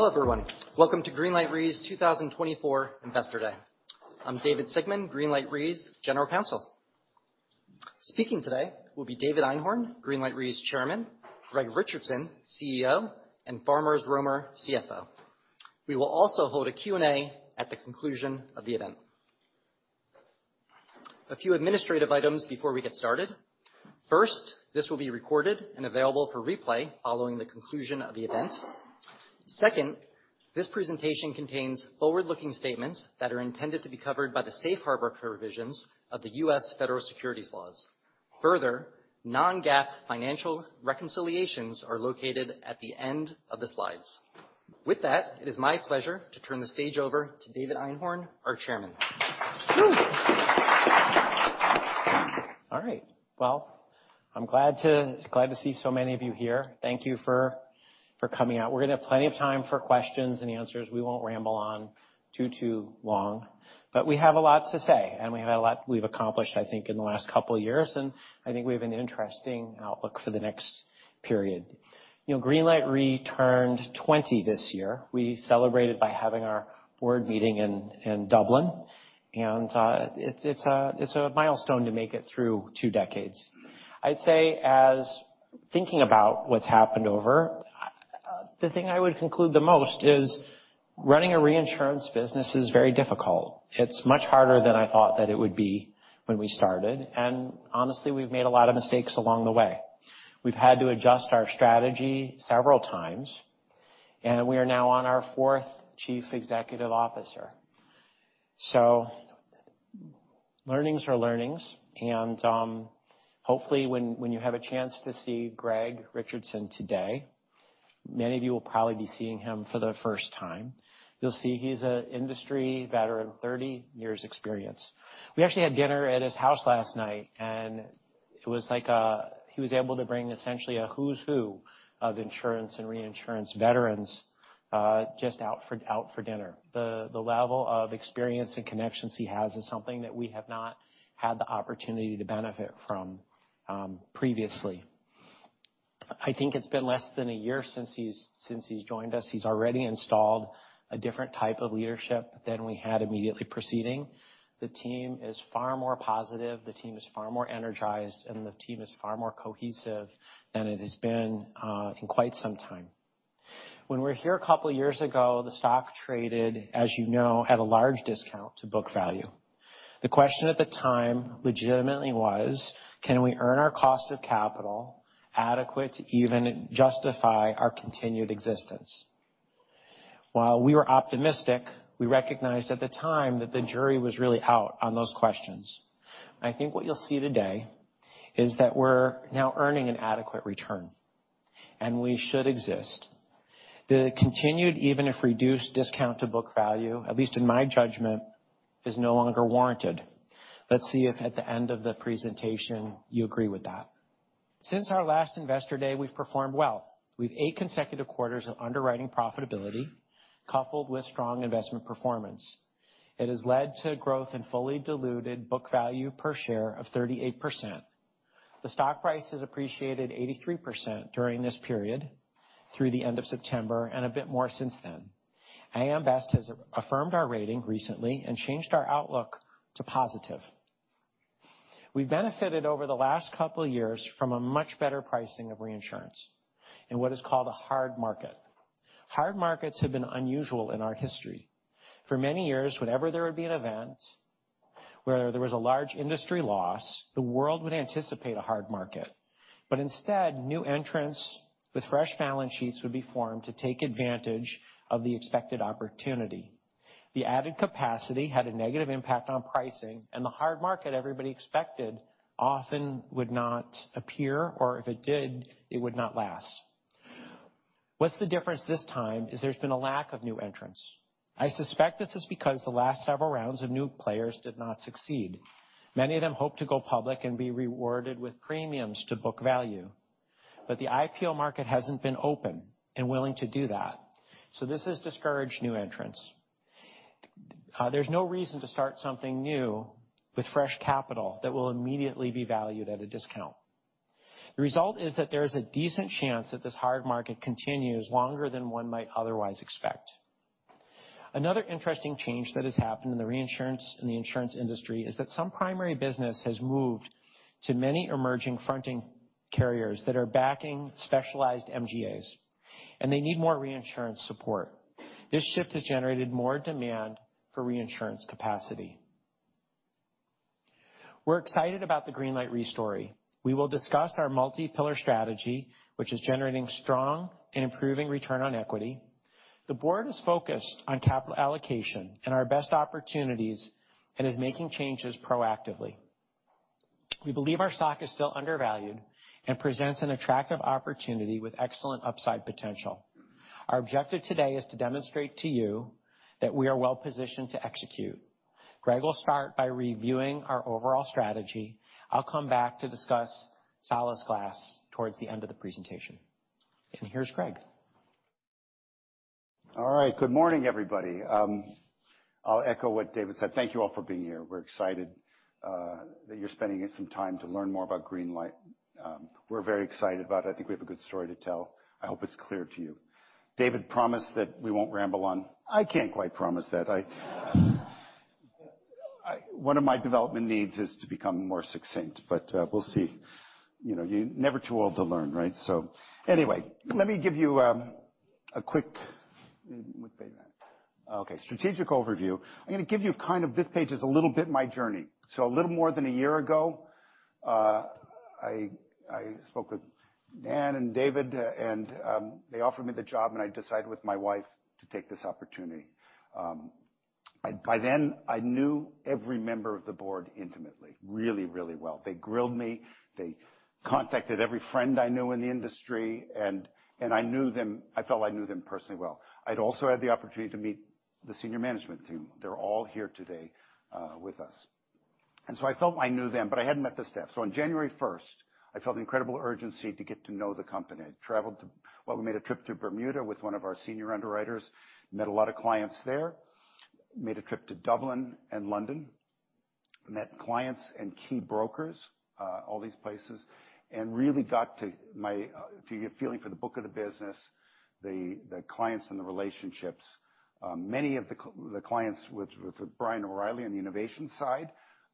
All right. Hello, everyone. Welcome to Greenlight Re's 2024 Investor Day. I'm David Sigmon, Greenlight Re's General Counsel. Speaking today will be David Einhorn, Greenlight Re's Chairman, Greg Richardson, CEO, and Faramarz Romer, CFO. We will also hold a Q&A at the conclusion of the event. A few administrative items before we get started. First, this will be recorded and available for replay following the conclusion of the event. Second, this presentation contains forward-looking statements that are intended to be covered by the safe harbor provisions of the U.S. Federal Securities Laws. Further, non-GAAP financial reconciliations are located at the end of the slides. With that, it is my pleasure to turn the stage over to David Einhorn, our Chairman. All right, well, I'm glad to see so many of you here. Thank you for coming out. We're going to have plenty of time for questions and answers. We won't ramble on too long. But we have a lot to say, and we have a lot we've accomplished, I think, in the last couple of years, and I think we have an interesting outlook for the next period. You know, Greenlight Re turned 20 this year. We celebrated by having our board meeting in Dublin, and it's a milestone to make it through two decades. I'd say, as thinking about what's happened over, the thing I would conclude the most is running a reinsurance business is very difficult. It's much harder than I thought that it would be when we started, and honestly, we've made a lot of mistakes along the way. We've had to adjust our strategy several times. And we are now on our fourth Chief Executive Officer. So learnings are learnings. And hopefully, when you have a chance to see Greg Richardson today, many of you will probably be seeing him for the first time. You'll see he's an industry veteran, 30 years experience. We actually had dinner at his house last night. And it was like he was able to bring essentially a who's who of insurance and reinsurance veterans just out for dinner. The level of experience and connections he has is something that we have not had the opportunity to benefit from previously. I think it's been less than a year since he's joined us. He's already installed a different type of leadership than we had immediately preceding. The team is far more positive. The team is far more energized. And the team is far more cohesive than it has been in quite some time. When we were here a couple of years ago, the stock traded, as you know, at a large discount to book value. The question at the time legitimately was, can we earn our cost of capital adequate to even justify our continued existence? While we were optimistic, we recognized at the time that the jury was really out on those questions. I think what you'll see today is that we're now earning an adequate return. And we should exist. The continued, even if reduced, discount to book value, at least in my judgment, is no longer warranted. Let's see if at the end of the presentation you agree with that. Since our last investor day, we've performed well. We've eight consecutive quarters of underwriting profitability, coupled with strong investment performance. It has led to growth and fully diluted book value per share of 38%. The stock price has appreciated 83% during this period through the end of September and a bit more since then. AM Best has affirmed our rating recently and changed our outlook to positive. We've benefited over the last couple of years from a much better pricing of reinsurance in what is called a hard market. Hard markets have been unusual in our history. For many years, whenever there would be an event where there was a large industry loss, the world would anticipate a hard market. But instead, new entrants with fresh balance sheets would be formed to take advantage of the expected opportunity. The added capacity had a negative impact on pricing, and the hard market everybody expected often would not appear, or if it did, it would not last. What's the difference this time is there's been a lack of new entrants. I suspect this is because the last several rounds of new players did not succeed. Many of them hoped to go public and be rewarded with premiums to book value. But the IPO market hasn't been open and willing to do that. So this has discouraged new entrants. There's no reason to start something new with fresh capital that will immediately be valued at a discount. The result is that there is a decent chance that this hard market continues longer than one might otherwise expect. Another interesting change that has happened in the reinsurance industry is that some primary business has moved to many emerging fronting carriers that are backing specialized MGAs, and they need more reinsurance support. This shift has generated more demand for reinsurance capacity. We're excited about the Greenlight Re story. We will discuss our multi-pillar strategy, which is generating strong and improving return on equity. The board is focused on capital allocation and our best opportunities and is making changes proactively. We believe our stock is still undervalued and presents an attractive opportunity with excellent upside potential. Our objective today is to demonstrate to you that we are well positioned to execute. Greg will start by reviewing our overall strategy. I'll come back to discuss Solasglas towards the end of the presentation. And here's Greg. All right. Good morning, everybody. I'll echo what David said. Thank you all for being here. We're excited that you're spending some time to learn more about Greenlight. We're very excited about it. I think we have a good story to tell. I hope it's clear to you. David promised that we won't ramble on. I can't quite promise that. One of my development needs is to become more succinct. But we'll see. You know, you're never too old to learn, right? So anyway, let me give you a quick, okay, strategic overview. I'm going to give you kind of this page is a little bit my journey. So a little more than a year ago, I spoke with Dan and David. And they offered me the job. And I decided with my wife to take this opportunity. By then, I knew every member of the board intimately, really, really well. They grilled me. They contacted every friend I knew in the industry. And I knew them. I felt I knew them personally well. I'd also had the opportunity to meet the senior management team. They're all here today with us. And so I felt I knew them. But I hadn't met the staff. So on January 1st, I felt the incredible urgency to get to know the company. I traveled to, well, we made a trip to Bermuda with one of our senior underwriters, met a lot of clients there, made a trip to Dublin and London, met clients and key brokers, all these places, and really got to my feeling for the book of the business, the clients and the relationships. Many of the clients with Brian O'Reilly on the innovation side,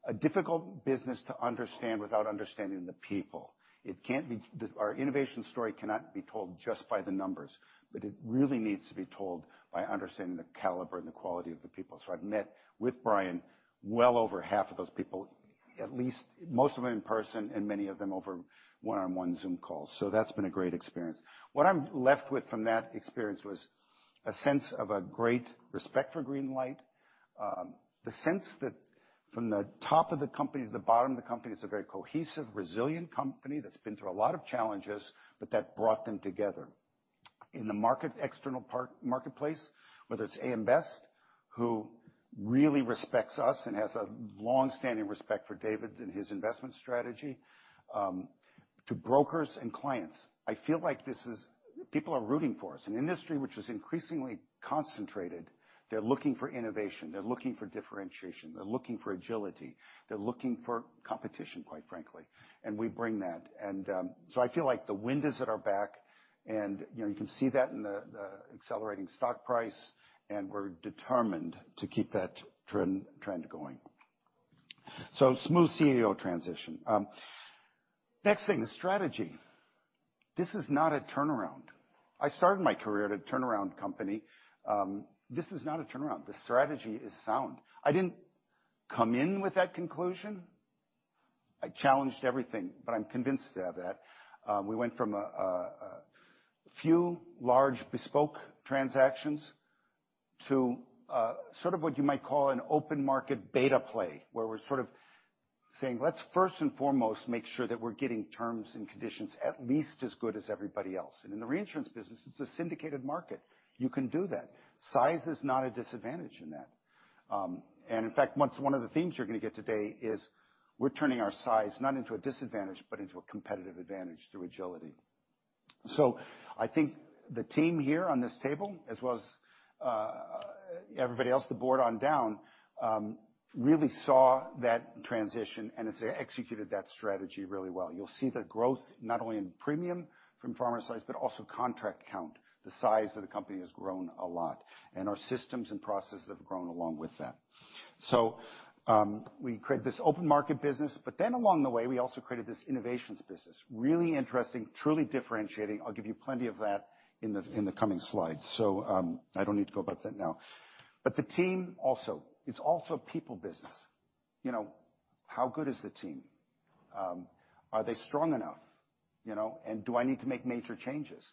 a difficult business to understand without understanding the people. Our innovation story cannot be told just by the numbers, but it really needs to be told by understanding the caliber and the quality of the people, so I've met with Brian well over half of those people, at least most of them in person and many of them over one-on-one Zoom calls, so that's been a great experience. What I'm left with from that experience was a sense of a great respect for Greenlight, the sense that from the top of the company to the bottom of the company, it's a very cohesive, resilient company that's been through a lot of challenges, but that brought them together in the market external marketplace, whether it's AM Best, who really respects us and has a longstanding respect for David and his investment strategy, to brokers and clients. I feel like this is. People are rooting for us. An industry which is increasingly concentrated, they're looking for innovation. They're looking for differentiation. They're looking for agility. They're looking for competition, quite frankly, and we bring that. I feel like the wind is at our back. You can see that in the accelerating stock price. We're determined to keep that trend going, so smooth CEO transition. Next thing, the strategy. This is not a turnaround. I started my career at a turnaround company. This is not a turnaround. The strategy is sound. I didn't come in with that conclusion. I challenged everything, but I'm convinced of that. We went from a few large bespoke transactions to sort of what you might call an open market beta play, where we're sort of saying, let's first and foremost make sure that we're getting terms and conditions at least as good as everybody else, and in the reinsurance business, it's a syndicated market. You can do that. Size is not a disadvantage in that, and in fact, one of the themes you're going to get today is we're turning our size not into a disadvantage, but into a competitive advantage through agility. So I think the team here on this table, as well as everybody else at the board on down, really saw that transition. And it's executed that strategy really well. You'll see the growth not only in premium from firm size, but also contract count. The size of the company has grown a lot. And our systems and processes have grown along with that. So we created this open market business. But then along the way, we also created this innovations business, really interesting, truly differentiating. I'll give you plenty of that in the coming slides. So I don't need to go about that now. But the team also, it's also a people business. You know, how good is the team? Are they strong enough? You know, and do I need to make major changes?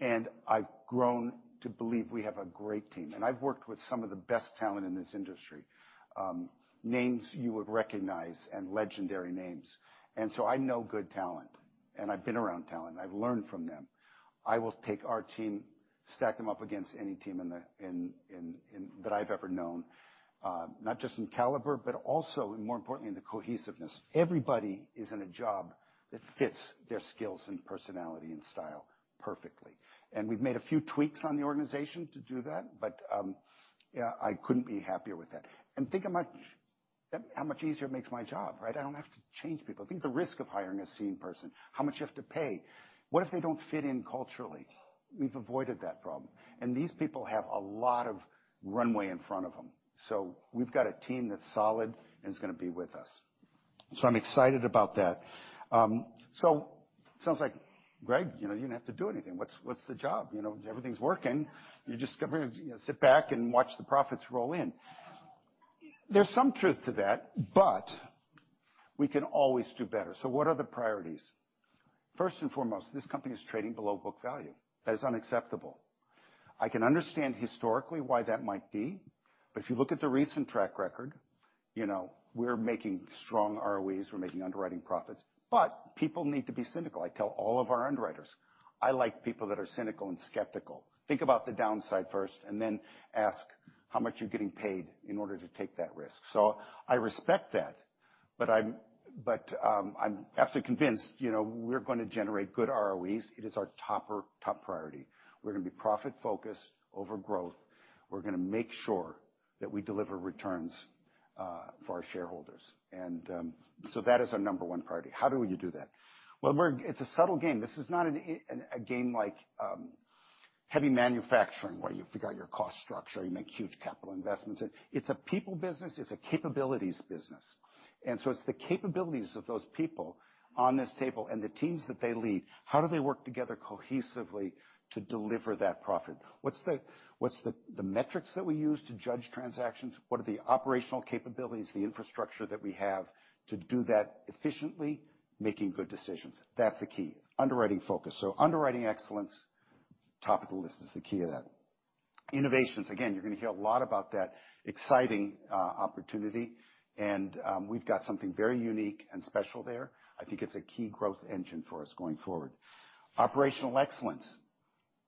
And I've grown to believe we have a great team. I've worked with some of the best talent in this industry, names you would recognize and legendary names. And so I know good talent. And I've been around talent. I've learned from them. I will take our team, stack them up against any team that I've ever known, not just in caliber, but also more importantly in the cohesiveness. Everybody is in a job that fits their skills and personality and style perfectly. And we've made a few tweaks on the organization to do that. But I couldn't be happier with that. And think of how much easier it makes my job, right? I don't have to change people. Think of the risk of hiring a senior person, how much you have to pay. What if they don't fit in culturally? We've avoided that problem. And these people have a lot of runway in front of them. We've got a team that's solid and is going to be with us. I'm excited about that. It sounds like, Greg, you know, you don't have to do anything. What's the job? You know, everything's working. You just sit back and watch the profits roll in. There's some truth to that. But we can always do better. What are the priorities? First and foremost, this company is trading below book value. That is unacceptable. I can understand historically why that might be. But if you look at the recent track record, you know, we're making strong ROEs. We're making underwriting profits. But people need to be cynical. I tell all of our underwriters, I like people that are cynical and skeptical. Think about the downside first. And then ask how much you're getting paid in order to take that risk. I respect that. But I'm absolutely convinced, you know, we're going to generate good ROEs. It is our top priority. We're going to be profit-focused over growth. We're going to make sure that we deliver returns for our shareholders. And so that is our number one priority. How do we do that? Well, it's a subtle game. This is not a game like heavy manufacturing where you've got your cost structure. You make huge capital investments. It's a people business. It's a capabilities business. And so it's the capabilities of those people on this table and the teams that they lead. How do they work together cohesively to deliver that profit? What's the metrics that we use to judge transactions? What are the operational capabilities, the infrastructure that we have to do that efficiently, making good decisions? That's the key. Underwriting focus. Underwriting excellence, top of the list is the key to that. Innovations, again, you're going to hear a lot about that exciting opportunity. And we've got something very unique and special there. I think it's a key growth engine for us going forward. Operational excellence,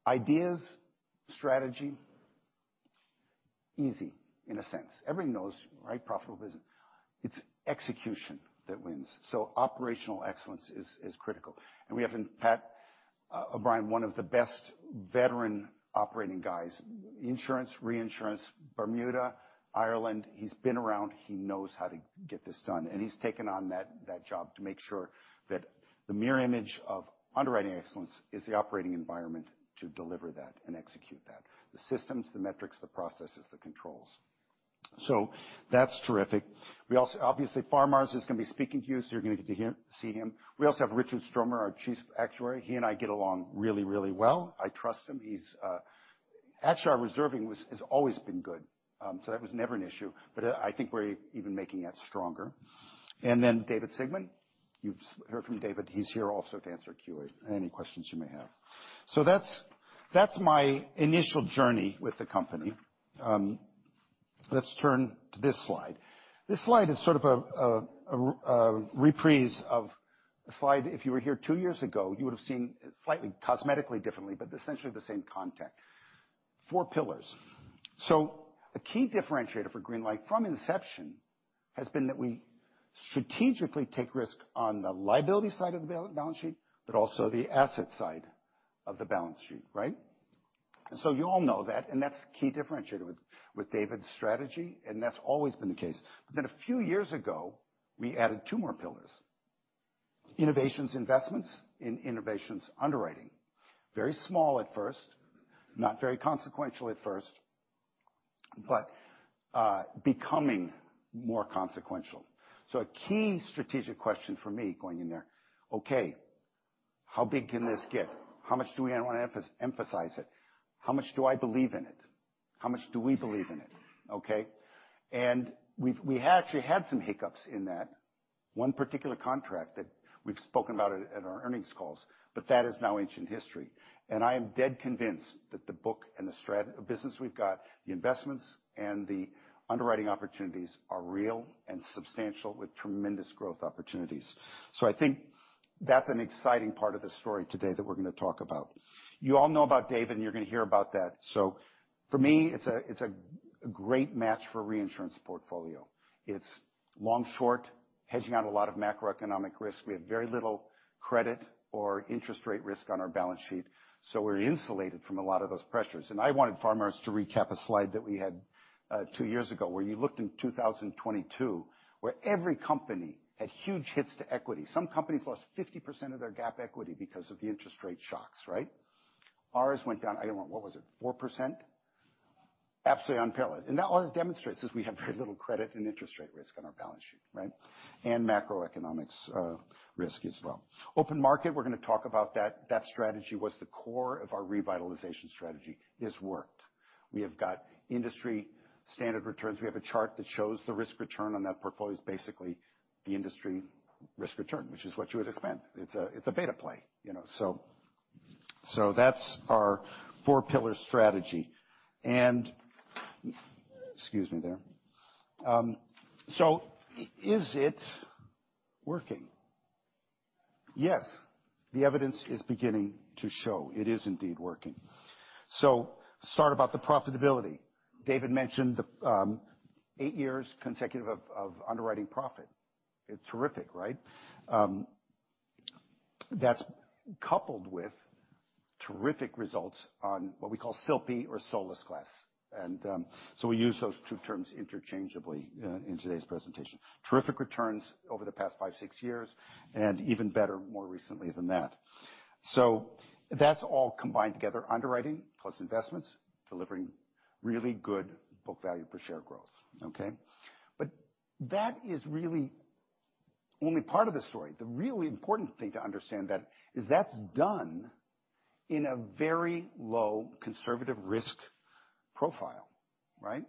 ideas, strategy, easy in a sense. Everyone knows, right? Profitable business. It's execution that wins. Operational excellence is critical. And we have in Pat O’Brien, one of the best veteran operating guys, insurance, reinsurance, Bermuda, Ireland. He's been around. He knows how to get this done. And he's taken on that job to make sure that the mere image of underwriting excellence is the operating environment to deliver that and execute that, the systems, the metrics, the processes, the controls. That's terrific. We also, obviously, Faramarz is going to be speaking to you. You're going to get to see him. We also have Richard Stocker, our Chief Actuary. He and I get along really, really well. I trust him. Actually, our reserving has always been good. So that was never an issue. But I think we're even making that stronger, and then David Sigmon, you've heard from David. He's here also to answer Q&A, any questions you may have. So that's my initial journey with the company. Let's turn to this slide. This slide is sort of a reprise of a slide. If you were here two years ago, you would have seen slightly cosmetically different, but essentially the same content. Four pillars. So a key differentiator for Greenlight from inception has been that we strategically take risk on the liability side of the balance sheet, but also the asset side of the balance sheet, right? And so you all know that, and that's a key differentiator with David's strategy. That's always been the case. But then a few years ago, we added two more pillars, innovations, investments in innovations, underwriting, very small at first, not very consequential at first, but becoming more consequential. So a key strategic question for me going in there, okay, how big can this get? How much do we want to emphasize it? How much do I believe in it? How much do we believe in it? Okay? And we actually had some hiccups in that one particular contract that we've spoken about at our earnings calls. But that is now ancient history. And I am dead convinced that the book and the business we've got, the investments and the underwriting opportunities are real and substantial with tremendous growth opportunities. So I think that's an exciting part of the story today that we're going to talk about. You all know about David. You're going to hear about that. For me, it's a great match for reinsurance portfolio. It's long, short, hedging out a lot of macroeconomic risk. We have very little credit or interest rate risk on our balance sheet. We're insulated from a lot of those pressures. I wanted Faramarz to recap a slide that we had two years ago where you looked in 2022, where every company had huge hits to equity. Some companies lost 50% of their GAAP equity because of the interest rate shocks, right? Ours went down, I don't know, what was it, 4%? Absolutely in parallel. That all demonstrates we have very little credit and interest rate risk on our balance sheet, right? Macroeconomic risk as well. Open market, we're going to talk about that. That strategy was the core of our revitalization strategy. It's worked. We have got industry standard returns. We have a chart that shows the risk return on that portfolio is basically the industry risk return, which is what you would expect. It's a beta play, you know, so that's our four-pillar strategy, and excuse me there, so is it working? Yes. The evidence is beginning to show it is indeed working, so start about the profitability. David mentioned eight years consecutive of underwriting profit. It's terrific, right? That's coupled with terrific results on what we call Solas Glas, and so we use those two terms interchangeably in today's presentation, terrific returns over the past five, six years, and even better more recently than that, so that's all combined together, underwriting, plus investments, delivering really good book value per share growth, okay, but that is really only part of the story. The really important thing to understand that is that's done in a very low conservative risk profile, right?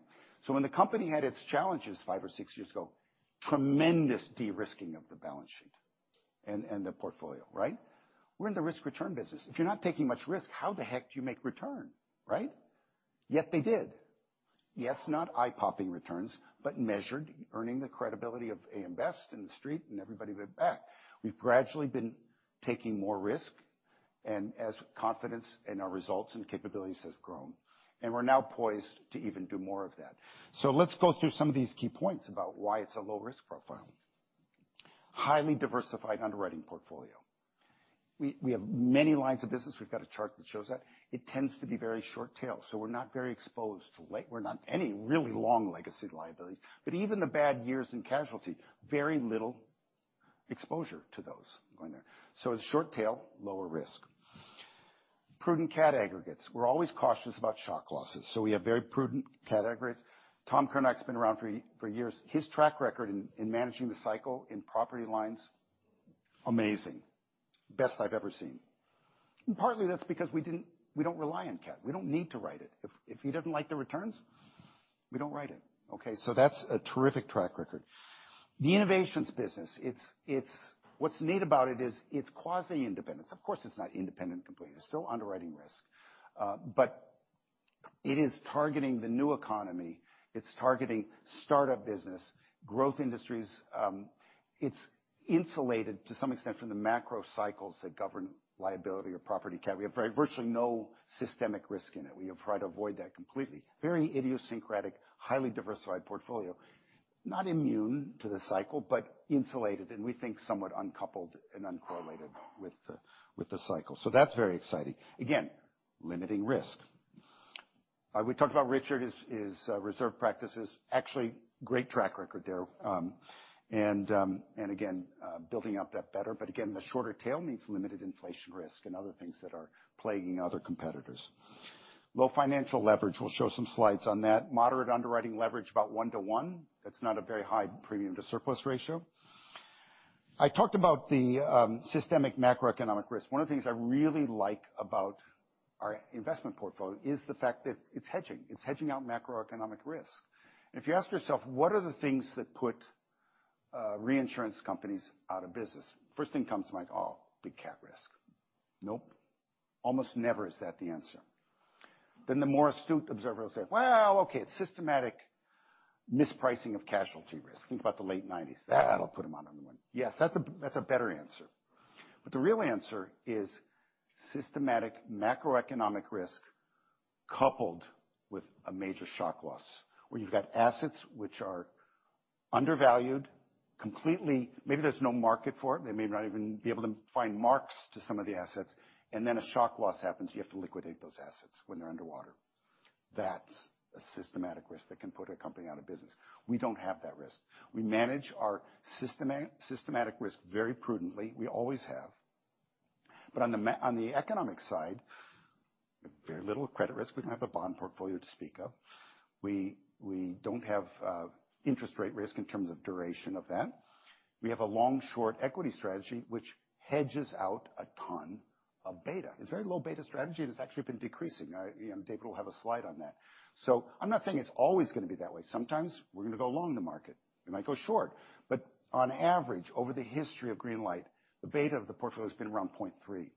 So when the company had its challenges five or six years ago, tremendous de-risking of the balance sheet and the portfolio, right? We're in the risk return business. If you're not taking much risk, how the heck do you make return, right? Yet they did. Yes, not eye-popping returns, but measured, earning the credibility of AM Best and the street and everybody back. We've gradually been taking more risk. And as confidence in our results and capabilities has grown, and we're now poised to even do more of that. So let's go through some of these key points about why it's a low-risk profile, highly diversified underwriting portfolio. We have many lines of business. We've got a chart that shows that. It tends to be very short tail. So we're not very exposed to any really long legacy liabilities. But even the bad years and casualty, very little exposure to those going there. So it's short tail, lower risk, prudent CAT aggregates. We're always cautious about shock losses. So we have very prudent CAT aggregates. Tom Curnock's been around for years. His track record in managing the cycle in property lines, amazing, best I've ever seen. And partly that's because we don't rely on CAT. We don't need to write it. If he doesn't like the returns, we don't write it, okay? So that's a terrific track record. The innovations business, what's neat about it is it's quasi-independent. Of course, it's not independent completely. It's still underwriting risk. But it is targeting the new economy. It's targeting startup business, growth industries. It's insulated to some extent from the macro cycles that govern liability or property CAT. We have virtually no systemic risk in it. We have tried to avoid that completely. Very idiosyncratic, highly diversified portfolio, not immune to the cycle, but insulated. And we think somewhat uncoupled and uncorrelated with the cycle. So that's very exciting. Again, limiting risk. We talked about Richard's reserve practices, actually great track record there. And again, building up that better. But again, the shorter tail means limited inflation risk and other things that are plaguing other competitors. Low financial leverage, we'll show some slides on that. Moderate underwriting leverage, about one to one. That's not a very high premium to surplus ratio. I talked about the systemic macroeconomic risk. One of the things I really like about our investment portfolio is the fact that it's hedging. It's hedging out macroeconomic risk. And if you ask yourself, what are the things that put reinsurance companies out of business? First thing comes to mind, oh, big cap risk. Nope. Almost never is that the answer. Then the more astute observer will say, well, okay, it's systematic mispricing of casualty risk. Think about the late 1990s. That'll put them out on the wind. Yes, that's a better answer. But the real answer is systematic macroeconomic risk coupled with a major shock loss where you've got assets which are undervalued completely. Maybe there's no market for it. They may not even be able to find marks to some of the assets. And then a shock loss happens. You have to liquidate those assets when they're underwater. That's a systematic risk that can put a company out of business. We don't have that risk. We manage our systematic risk very prudently. We always have. But on the economic side, very little credit risk. We don't have a bond portfolio to speak of. We don't have interest rate risk in terms of duration of that. We have a long, short equity strategy, which hedges out a ton of beta. It's a very low beta strategy. And it's actually been decreasing. David will have a slide on that. So I'm not saying it's always going to be that way. Sometimes we're going to go along the market. We might go short. But on average, over the history of Greenlight, the beta of the portfolio has been around 0.3.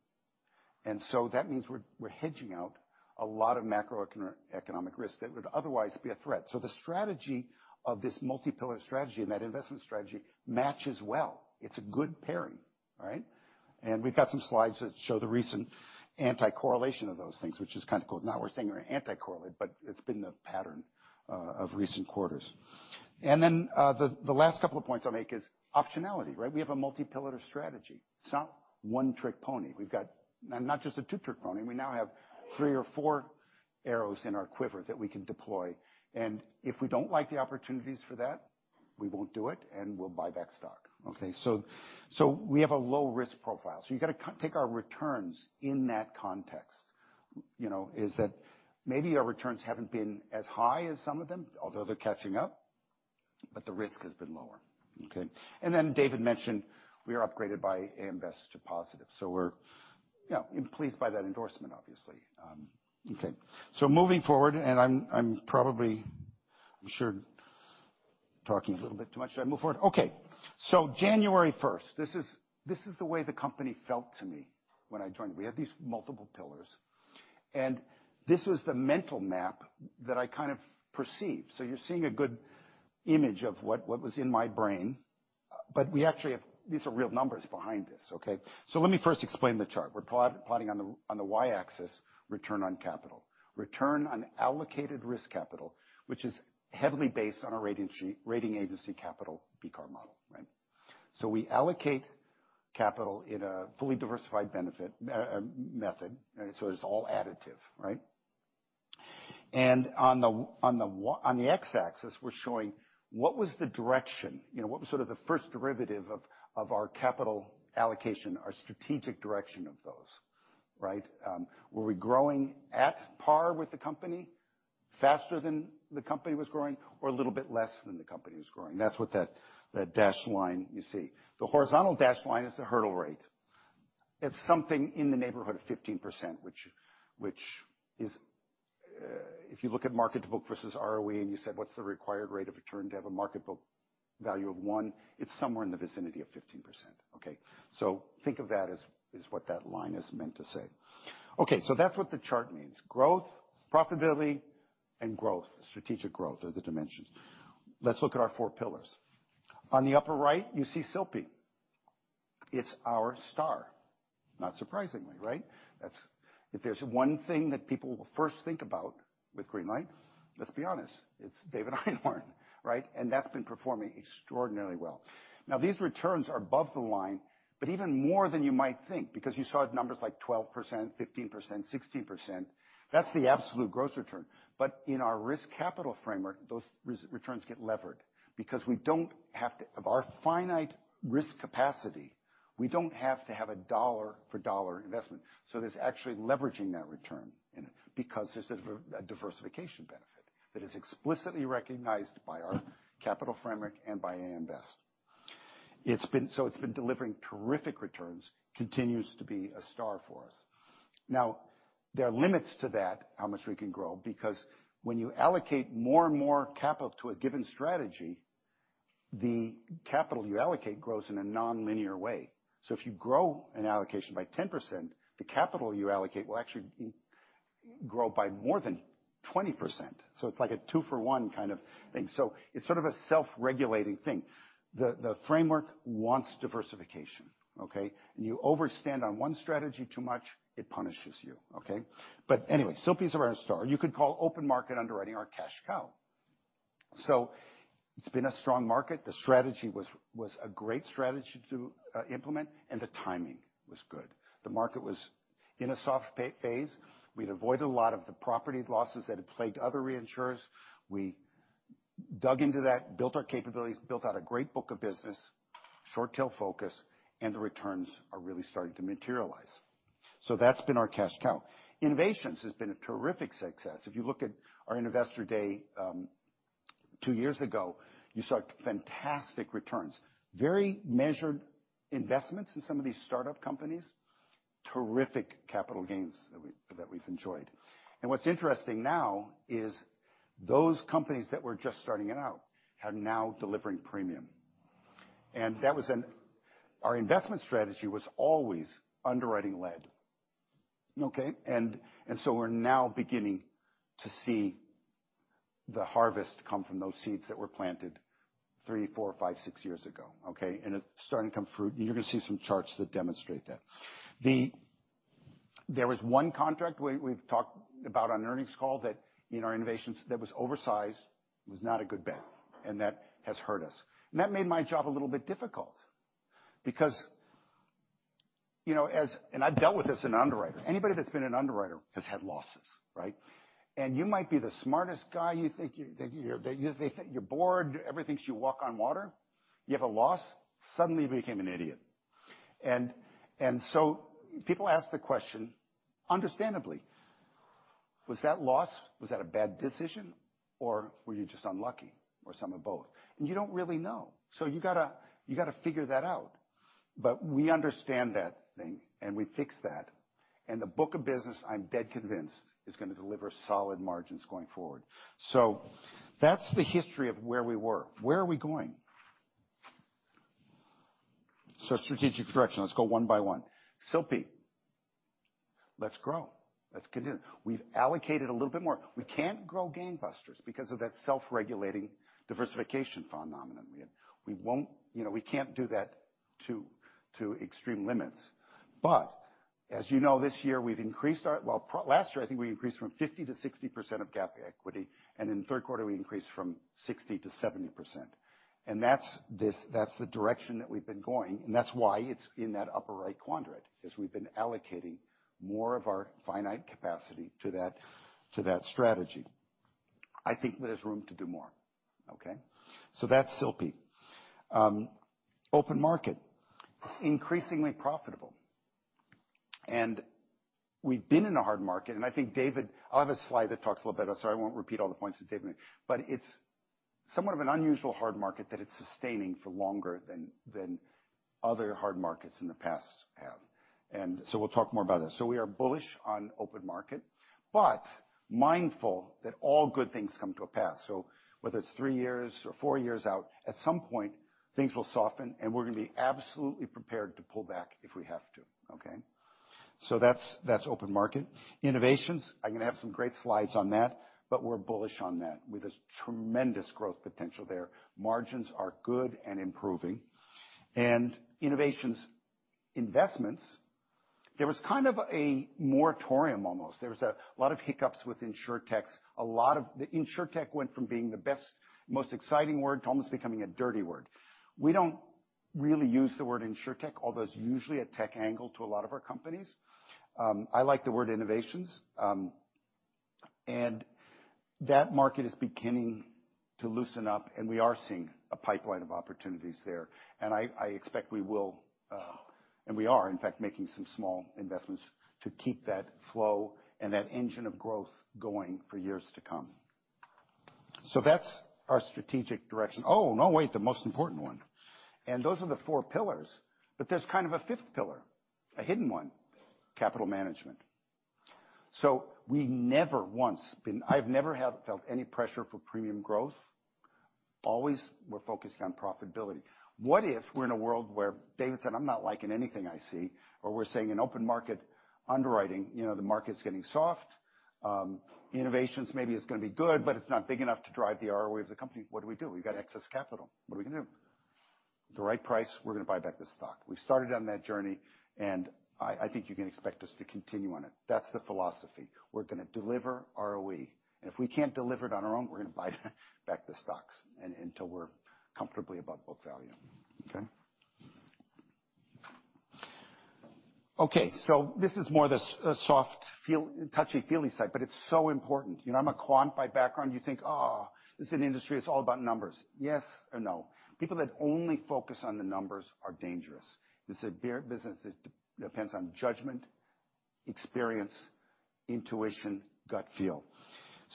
And so that means we're hedging out a lot of macroeconomic risk that would otherwise be a threat. So the strategy of this multi-pillar strategy and that investment strategy matches well. It's a good pairing, right? And we've got some slides that show the recent anti-correlation of those things, which is kind of cool. Now we're saying we're anti-correlate, but it's been the pattern of recent quarters, and then the last couple of points I'll make is optionality, right? We have a multi-pillar strategy. It's not one trick pony. We've got not just a two-trick pony. We now have three or four arrows in our quiver that we can deploy, and if we don't like the opportunities for that, we won't do it, and we'll buy back stock, okay? So we have a low-risk profile, so you've got to take our returns in that context, you know. Is that maybe our returns haven't been as high as some of them, although they're catching up, but the risk has been lower, okay? And then David mentioned we are upgraded by AM Best to positive, so we're pleased by that endorsement, obviously, okay? Moving forward, and I'm probably, I'm sure, talking a little bit too much. Should I move forward? Okay. January 1st, this is the way the company felt to me when I joined. We had these multiple pillars. And this was the mental map that I kind of perceived. So you're seeing a good image of what was in my brain. But we actually have, these are real numbers behind this, okay? So let me first explain the chart. We're plotting on the y-axis return on capital, return on allocated risk capital, which is heavily based on our rating agency capital BCAR model, right? So we allocate capital in a fully diversified benefit method. So it's all additive, right? And on the x-axis, we're showing what was the direction, you know, what was sort of the first derivative of our capital allocation, our strategic direction of those, right? Were we growing at par with the company faster than the company was growing or a little bit less than the company was growing? That's what that dashed line you see. The horizontal dashed line is the hurdle rate. It's something in the neighborhood of 15%, which is, if you look at market to book versus ROE and you said, what's the required rate of return to have a market book value of one, it's somewhere in the vicinity of 15%, okay? So think of that as what that line is meant to say. Okay, so that's what the chart means. Growth, profitability, and growth, strategic growth are the dimensions. Let's look at our four pillars. On the upper right, you see Solas Glas. It's our star, not surprisingly, right? If there's one thing that people will first think about with Greenlight, let's be honest, it's David Einhorn, right? That's been performing extraordinarily well. Now, these returns are above the line, but even more than you might think because you saw numbers like 12%, 15%, 16%. That's the absolute gross return. In our risk capital framework, those returns get levered because we don't have to, of our finite risk capacity, we don't have to have a dollar-for-dollar investment. There's actually leveraging that return in it because there's a diversification benefit that is explicitly recognized by our capital framework and by AM Best. It's been delivering terrific returns, continues to be a star for us. Now, there are limits to that, how much we can grow, because when you allocate more and more capital to a given strategy, the capital you allocate grows in a non-linear way. If you grow an allocation by 10%, the capital you allocate will actually grow by more than 20%. So it's like a two-for-one kind of thing. So it's sort of a self-regulating thing. The framework wants diversification, okay? And you overspend on one strategy too much, it punishes you, okay? But anyway, SILPE is our star. You could call open market underwriting our cash cow. So it's been a strong market. The strategy was a great strategy to implement, and the timing was good. The market was in a soft phase. We'd avoided a lot of the property losses that had plagued other reinsurers. We dug into that, built our capabilities, built out a great book of business, short tail focus, and the returns are really starting to materialize. So that's been our cash cow. Innovations has been a terrific success. If you look at our investor day two years ago, you saw fantastic returns, very measured investments in some of these startup companies, terrific capital gains that we've enjoyed. And what's interesting now is those companies that were just starting out are now delivering premium. And our investment strategy was always underwriting led, okay? And so we're now beginning to see the harvest come from those seeds that were planted three, four, five, six years ago, okay? And it's starting to come fruit. And you're going to see some charts that demonstrate that. There was one contract we've talked about on earnings call that in our innovations that was oversized, was not a good bet. And that has hurt us. And that made my job a little bit difficult because, you know, and I've dealt with this in underwriter. Anybody that's been an underwriter has had losses, right? And you might be the smartest guy. You think you're God. Everything's you walk on water. You have a loss, suddenly you became an idiot. And so people ask the question, understandably, was that loss, was that a bad decision, or were you just unlucky, or some of both? And you don't really know, so you got to figure that out. But we understand that thing, and we fixed that. And the book of business, I'm dead convinced, is going to deliver solid margins going forward. So that's the history of where we were. Where are we going? So strategic direction, let's go one by one. SILPE, let's grow, let's continue. We've allocated a little bit more. We can't grow gangbusters because of that self-regulating diversification phenomenon. We won't, you know, we can't do that to extreme limits. But as you know, this year we've increased our, well, last year I think we increased from 50%-60% of cat equity. And in the Q3, we increased from 60%-70%. And that's the direction that we've been going. And that's why it's in that upper right quadrant, is we've been allocating more of our finite capacity to that strategy. I think there's room to do more, okay? So that's SILPE. Open market, it's increasingly profitable. And we've been in a hard market. And I think David, I'll have a slide that talks a little bit about it. So I won't repeat all the points that David made. But it's somewhat of an unusual hard market that it's sustaining for longer than other hard markets in the past have. And so we'll talk more about that. So we are bullish on open market, but mindful that all good things come to an end. So whether it's three years or four years out, at some point, things will soften, and we're going to be absolutely prepared to pull back if we have to, okay? So that's open market. Innovations, I'm going to have some great slides on that, but we're bullish on that with a tremendous growth potential there. Margins are good and improving. And innovations, investments, there was kind of a moratorium almost. There was a lot of hiccups with insurtech. A lot of the insurtech went from being the best, most exciting word to almost becoming a dirty word. We don't really use the word insurtech, although it's usually a tech angle to a lot of our companies. I like the word innovations. That market is beginning to loosen up, and we are seeing a pipeline of opportunities there. I expect we will, and we are, in fact, making some small investments to keep that flow and that engine of growth going for years to come. That's our strategic direction. Oh, no, wait, the most important one. Those are the four pillars, but there's kind of a fifth pillar, a hidden one, capital management. We never once been, I've never felt any pressure for premium growth. Always we're focusing on profitability. What if we're in a world where David said, "I'm not liking anything I see," or we're saying in open market underwriting, you know, the market's getting soft. Innovations maybe is going to be good, but it's not big enough to drive the ROE of the company. What do we do? We've got excess capital. What are we going to do? The right price, we're going to buy back the stock. We've started on that journey, and I think you can expect us to continue on it. That's the philosophy. We're going to deliver ROE. And if we can't deliver it on our own, we're going to buy back the stocks until we're comfortably above book value, okay? Okay, so this is more of a soft, touchy-feely side, but it's so important. You know, I'm a quant by background. You think, oh, this is an industry that's all about numbers. Yes or no. People that only focus on the numbers are dangerous. This is a business that depends on judgment, experience, intuition, gut feel.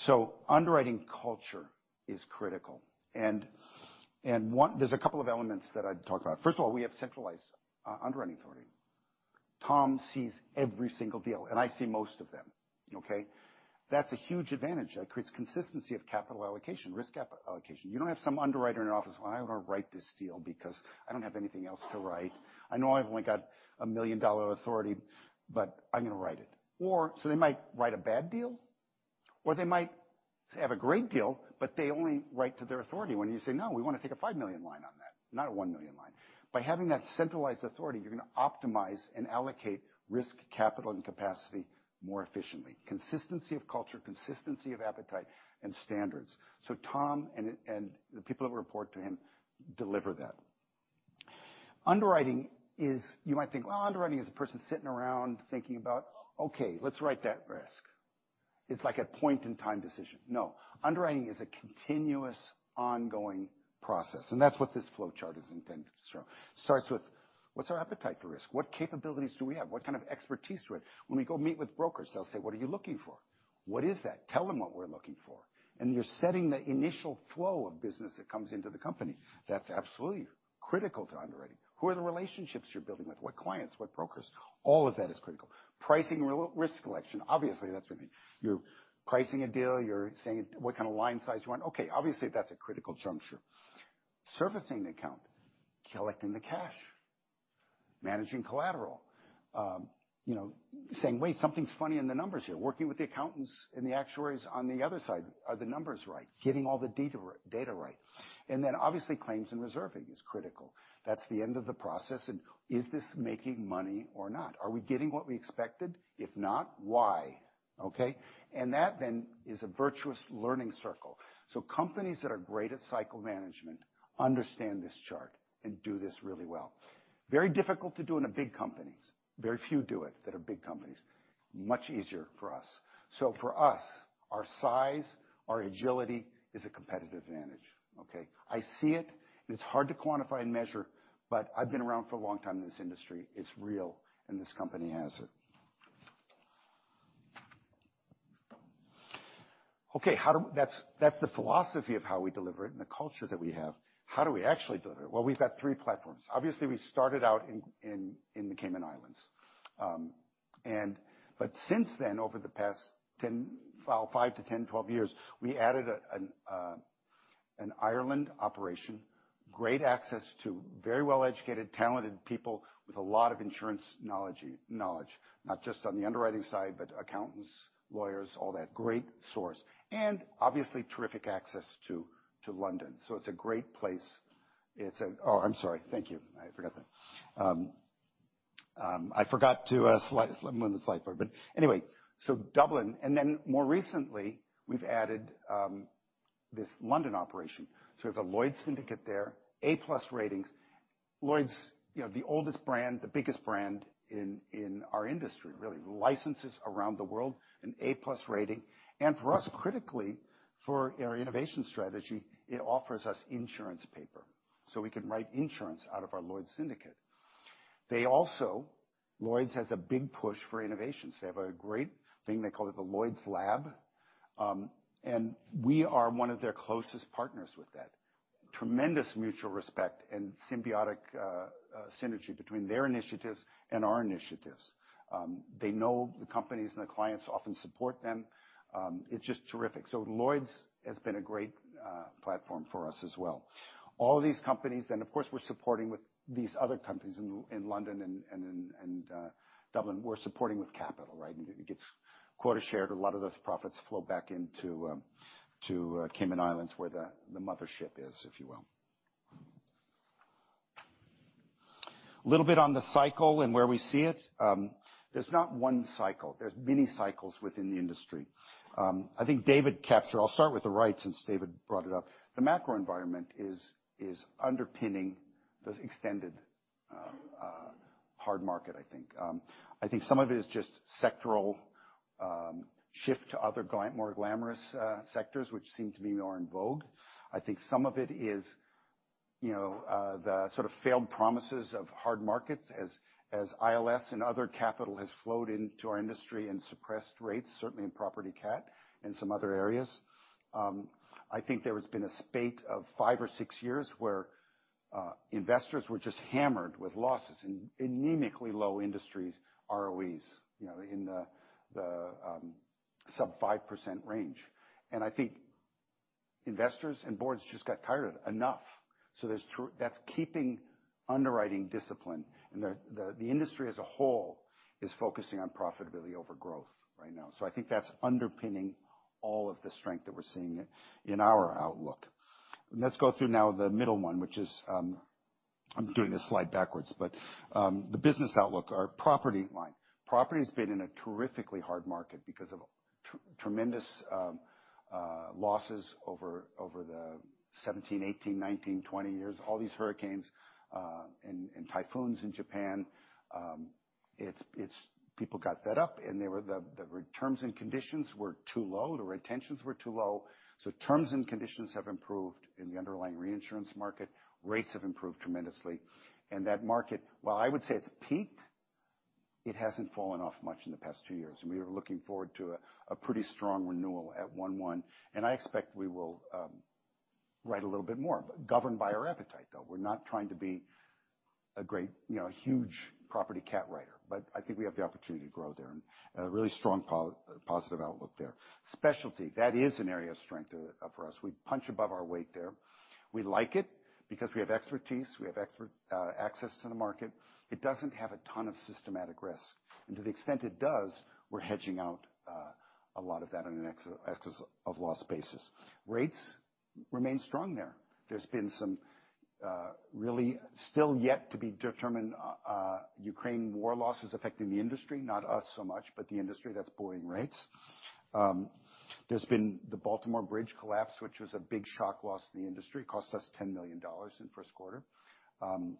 So underwriting culture is critical. And there's a couple of elements that I'd talk about. First of all, we have centralized underwriting authority. Tom sees every single deal, and I see most of them, okay? That's a huge advantage. That creates consistency of capital allocation, risk capital allocation. You don't have some underwriter in your office, well, I want to write this deal because I don't have anything else to write. I know I've only got a $1 million authority, but I'm going to write it. Or so they might write a bad deal, or they might have a great deal, but they only write to their authority when you say, no, we want to take a $5 million line on that, not a $1 million line. By having that centralized authority, you're going to optimize and allocate risk, capital, and capacity more efficiently. Consistency of culture, consistency of appetite, and standards. So Tom and the people that report to him deliver that. Underwriting is, you might think, well, underwriting is a person sitting around thinking about, okay, let's write that risk. It's like a point-in-time decision. No. Underwriting is a continuous ongoing process, and that's what this flow chart is intended to show. It starts with, what's our appetite for risk? What capabilities do we have? What kind of expertise do we have? When we go meet with brokers, they'll say, what are you looking for? What is that? Tell them what we're looking for, and you're setting the initial flow of business that comes into the company. That's absolutely critical to underwriting. Who are the relationships you're building with? What clients? What brokers? All of that is critical. Pricing and risk selection, obviously that's what you're doing. You're pricing a deal, you're saying what kind of line size you want. Okay, obviously that's a critical juncture. Servicing the account, collecting the cash, managing collateral, you know, saying, wait, something's funny in the numbers here, working with the accountants and the actuaries on the other side. Are the numbers right? Getting all the data right, and then obviously claims and reserving is critical. That's the end of the process, and is this making money or not? Are we getting what we expected? If not, why? Okay, and that then is a virtuous learning circle, so companies that are great at cycle management understand this chart and do this really well. Very difficult to do in a big company. Very few do it that are big companies. Much easier for us, so for us, our size, our agility is a competitive advantage, okay? I see it, and it's hard to quantify and measure, but I've been around for a long time in this industry. It's real, and this company has it. Okay, that's the philosophy of how we deliver it and the culture that we have. How do we actually deliver it? Well, we've got three platforms. Obviously, we started out in the Cayman Islands. But since then, over the past 10, 5 to 10, 12 years, we added an Ireland operation, great access to very well-educated, talented people with a lot of insurance knowledge, not just on the underwriting side, but accountants, lawyers, all that. Great source. And obviously terrific access to London. So it's a great place. Oh, I'm sorry, thank you. I forgot that. I forgot to slide one of the slides for you. But anyway, so Dublin. And then more recently, we've added this London operation. So we have a Lloyd's syndicate there, A-plus ratings. Lloyd's, you know, the oldest brand, the biggest brand in our industry, really. Licenses around the world, an A-plus rating. For us, critically, for our innovation strategy, it offers us insurance paper. So we can write insurance out of our Lloyd's syndicate. They also, Lloyd's has a big push for innovations. They have a great thing. They call it the Lloyd's Lab. We are one of their closest partners with that. Tremendous mutual respect and symbiotic synergy between their initiatives and our initiatives. They know the companies and the clients often support them. It's just terrific. Lloyd's has been a great platform for us as well. All of these companies, and of course, we're supporting with these other companies in London and Dublin, we're supporting with capital, right? It gets quota shared. A lot of those profits flow back into Cayman Islands, where the mothership is, if you will. A little bit on the cycle and where we see it. There's not one cycle. There's many cycles within the industry. I think David captured, I'll start with the rates since David brought it up. The macro environment is underpinning the extended hard market, I think. I think some of it is just sectoral shift to other more glamorous sectors, which seem to be more in vogue. I think some of it is, you know, the sort of failed promises of hard markets as ILS and other capital has flowed into our industry and suppressed rates, certainly in property cat and some other areas. I think there has been a spate of five or six years where investors were just hammered with losses in anemically low industries, ROEs, you know, in the sub 5% range, and I think investors and boards just got tired of it enough. So that's keeping underwriting discipline, and the industry as a whole is focusing on profitability over growth right now. So I think that's underpinning all of the strength that we're seeing in our outlook. Let's go through now the middle one, which is I'm doing this slide backwards, but the business outlook, our property line. Property has been in a terrifically hard market because of tremendous losses over the 2017, 2018, 2019, 2020 years. All these hurricanes and typhoons in Japan. People got fed up and the terms and conditions were too low. The retentions were too low. Terms and conditions have improved in the underlying reinsurance market. Rates have improved tremendously. That market, while I would say it's peaked, it hasn't fallen off much in the past two years. We were looking forward to a pretty strong renewal at 1/1. I expect we will write a little bit more, governed by our appetite, though. We're not trying to be a great, you know, huge property cat writer, but I think we have the opportunity to grow there and a really strong positive outlook there. Specialty, that is an area of strength for us. We punch above our weight there. We like it because we have expertise. We have access to the market. It doesn't have a ton of systematic risk. To the extent it does, we're hedging out a lot of that on an excess of loss basis. Rates remain strong there. There's been some really still yet to be determined Ukraine war losses affecting the industry, not us so much, but the industry that's boiling rates. There's been the Francis Scott Key Bridge collapse, which was a big shock loss in the industry. Cost us $10 million in the Q1.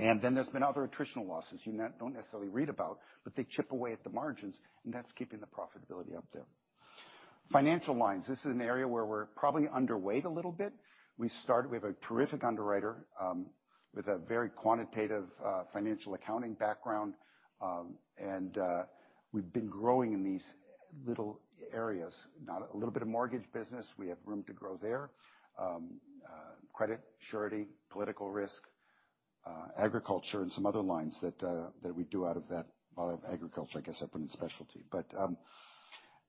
And then there's been other attritional losses you don't necessarily read about, but they chip away at the margins, and that's keeping the profitability up there. Financial lines, this is an area where we're probably underweight a little bit. We have a terrific underwriter with a very quantitative financial accounting background, and we've been growing in these little areas, not a little bit of mortgage business. We have room to grow there. Credit, surety, political risk, agriculture, and some other lines that we do out of that. While I have agriculture, I guess I put in specialty. But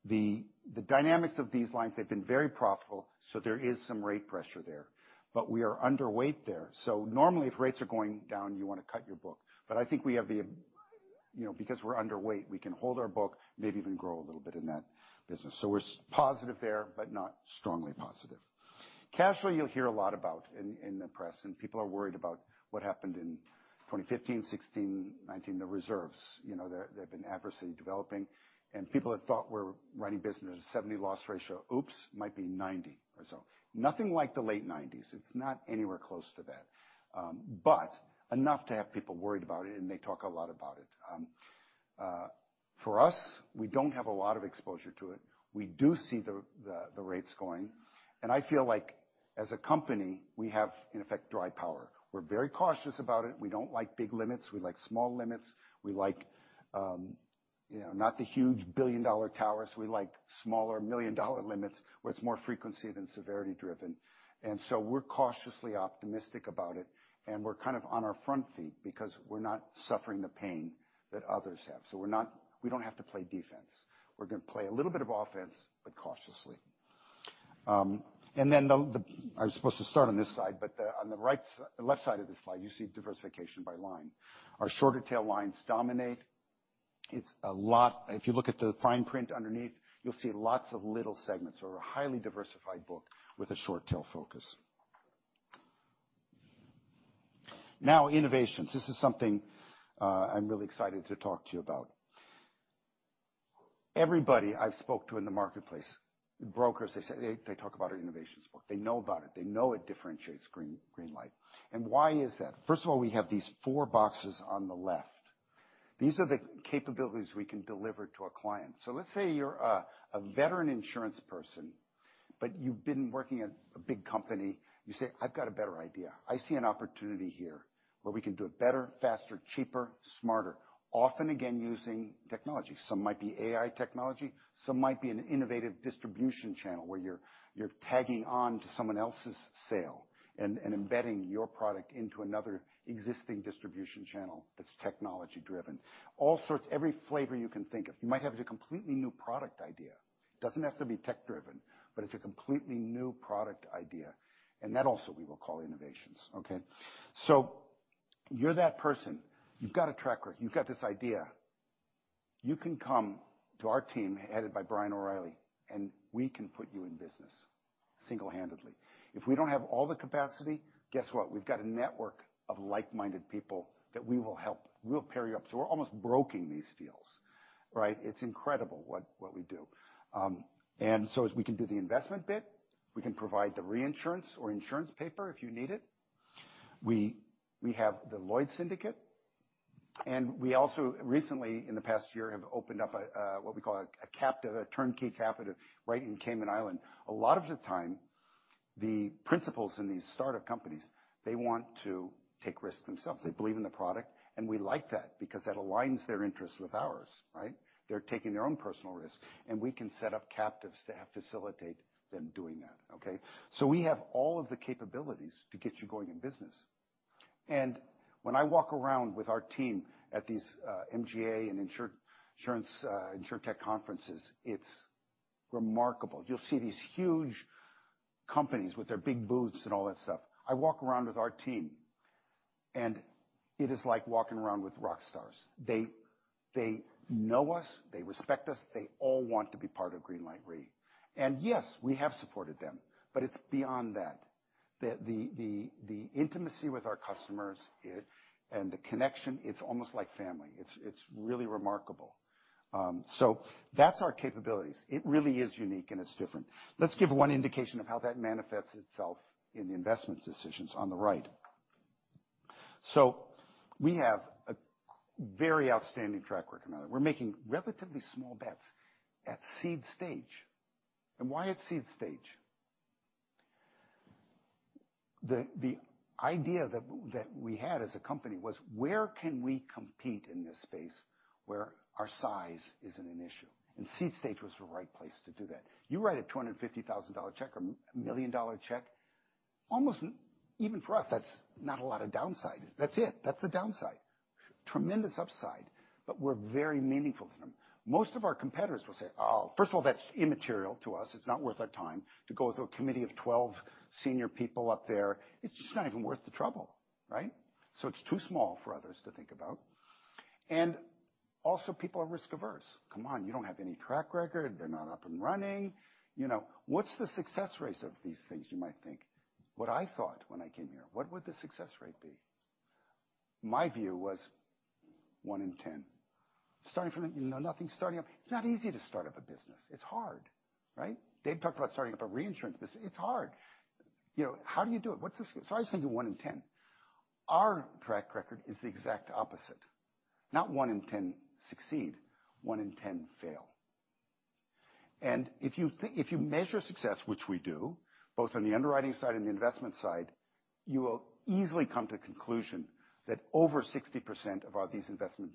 the dynamics of these lines, they've been very profitable, so there is some rate pressure there. But we are underweight there. So normally if rates are going down, you want to cut your book. But I think we have the, you know, because we're underweight, we can hold our book, maybe even grow a little bit in that business. So we're positive there, but not strongly positive. Cash flow, you'll hear a lot about in the press, and people are worried about what happened in 2015, 2016, 2019, the reserves. You know, they've been adversely developing, and people had thought we're running business at a 70% loss ratio. Oops, might be 90% or so. Nothing like the late 1990s. It's not anywhere close to that, but enough to have people worried about it, and they talk a lot about it. For us, we don't have a lot of exposure to it. We do see the rates going. And I feel like as a company, we have in effect dry powder. We're very cautious about it. We don't like big limits. We like small limits. We like, you know, not the huge billion dollar towers. We like smaller million dollar limits where it's more frequency than severity driven. And so we're cautiously optimistic about it, and we're kind of on our front feet because we're not suffering the pain that others have. So we're not, we don't have to play defense. We're going to play a little bit of offense, but cautiously. And then the, I was supposed to start on this side, but on the right, left side of this slide, you see diversification by line. Our shorter tail lines dominate. It's a lot. If you look at the fine print underneath, you'll see lots of little segments. We're a highly diversified book with a short tail focus. Now, innovations. This is something I'm really excited to talk to you about. Everybody I've spoke to in the marketplace, brokers, they talk about our innovations book. They know about it. They know it differentiates Greenlight. And why is that? First of all, we have these four boxes on the left. These are the capabilities we can deliver to a client. So let's say you're a veteran insurance person, but you've been working at a big company. You say, I've got a better idea. I see an opportunity here where we can do it better, faster, cheaper, smarter, often again using technology. Some might be AI technology. Some might be an innovative distribution channel where you're tagging on to someone else's sale and embedding your product into another existing distribution channel that's technology driven. All sorts, every flavor you can think of. You might have a completely new product idea. It doesn't have to be tech driven, but it's a completely new product idea. And that also we will call innovations, okay? So you're that person. You've got a track record. You've got this idea. You can come to our team headed by Brian O'Reilly, and we can put you in business single-handedly. If we don't have all the capacity, guess what? We've got a network of like-minded people that we will help. We'll pair you up. So we're almost broking these deals, right? It's incredible what we do. And so as we can do the investment bit, we can provide the reinsurance or insurance paper if you need it. We have the Lloyd's syndicate, and we also recently, in the past year, have opened up what we call a captive, a turnkey captive right in Cayman Islands. A lot of the time, the principals in these startup companies, they want to take risks themselves. They believe in the product, and we like that because that aligns their interests with ours, right? They're taking their own personal risk, and we can set up captives to help facilitate them doing that, okay? So we have all of the capabilities to get you going in business. And when I walk around with our team at these MGA and insurance insurtech conferences, it's remarkable. You'll see these huge companies with their big booths and all that stuff. I walk around with our team, and it is like walking around with rock stars. They know us. They respect us. They all want to be part of Greenlight Re. And yes, we have supported them, but it's beyond that. The intimacy with our customers and the connection, it's almost like family. It's really remarkable. So that's our capabilities. It really is unique, and it's different. Let's give one indication of how that manifests itself in the investment decisions on the right. So we have a very outstanding track record. We're making relatively small bets at seed stage. And why at seed stage? The idea that we had as a company was, where can we compete in this space where our size isn't an issue? And seed stage was the right place to do that. You write a $250,000 check or a $1 million check, almost even for us. That's not a lot of downside. That's it. That's the downside. Tremendous upside, but we're very meaningful to them. Most of our competitors will say, oh, first of all, that's immaterial to us. It's not worth our time to go through a committee of 12 senior people up there. It's just not even worth the trouble, right? So it's too small for others to think about, and also people are risk averse. Come on, you don't have any track record. They're not up and running. You know, what's the success rate of these things? You might think. What I thought when I came here, what would the success rate be? My view was one in 10. Starting from nothing, starting up, it's not easy to start up a business. It's hard, right? Dave talked about starting up a reinsurance business. It's hard. You know, how do you do it? What's the score? So I was thinking one in 10. Our track record is the exact opposite. Not one in 10 succeed, one in 10 fail. And if you measure success, which we do, both on the underwriting side and the investment side, you will easily come to a conclusion that over 60% of these investment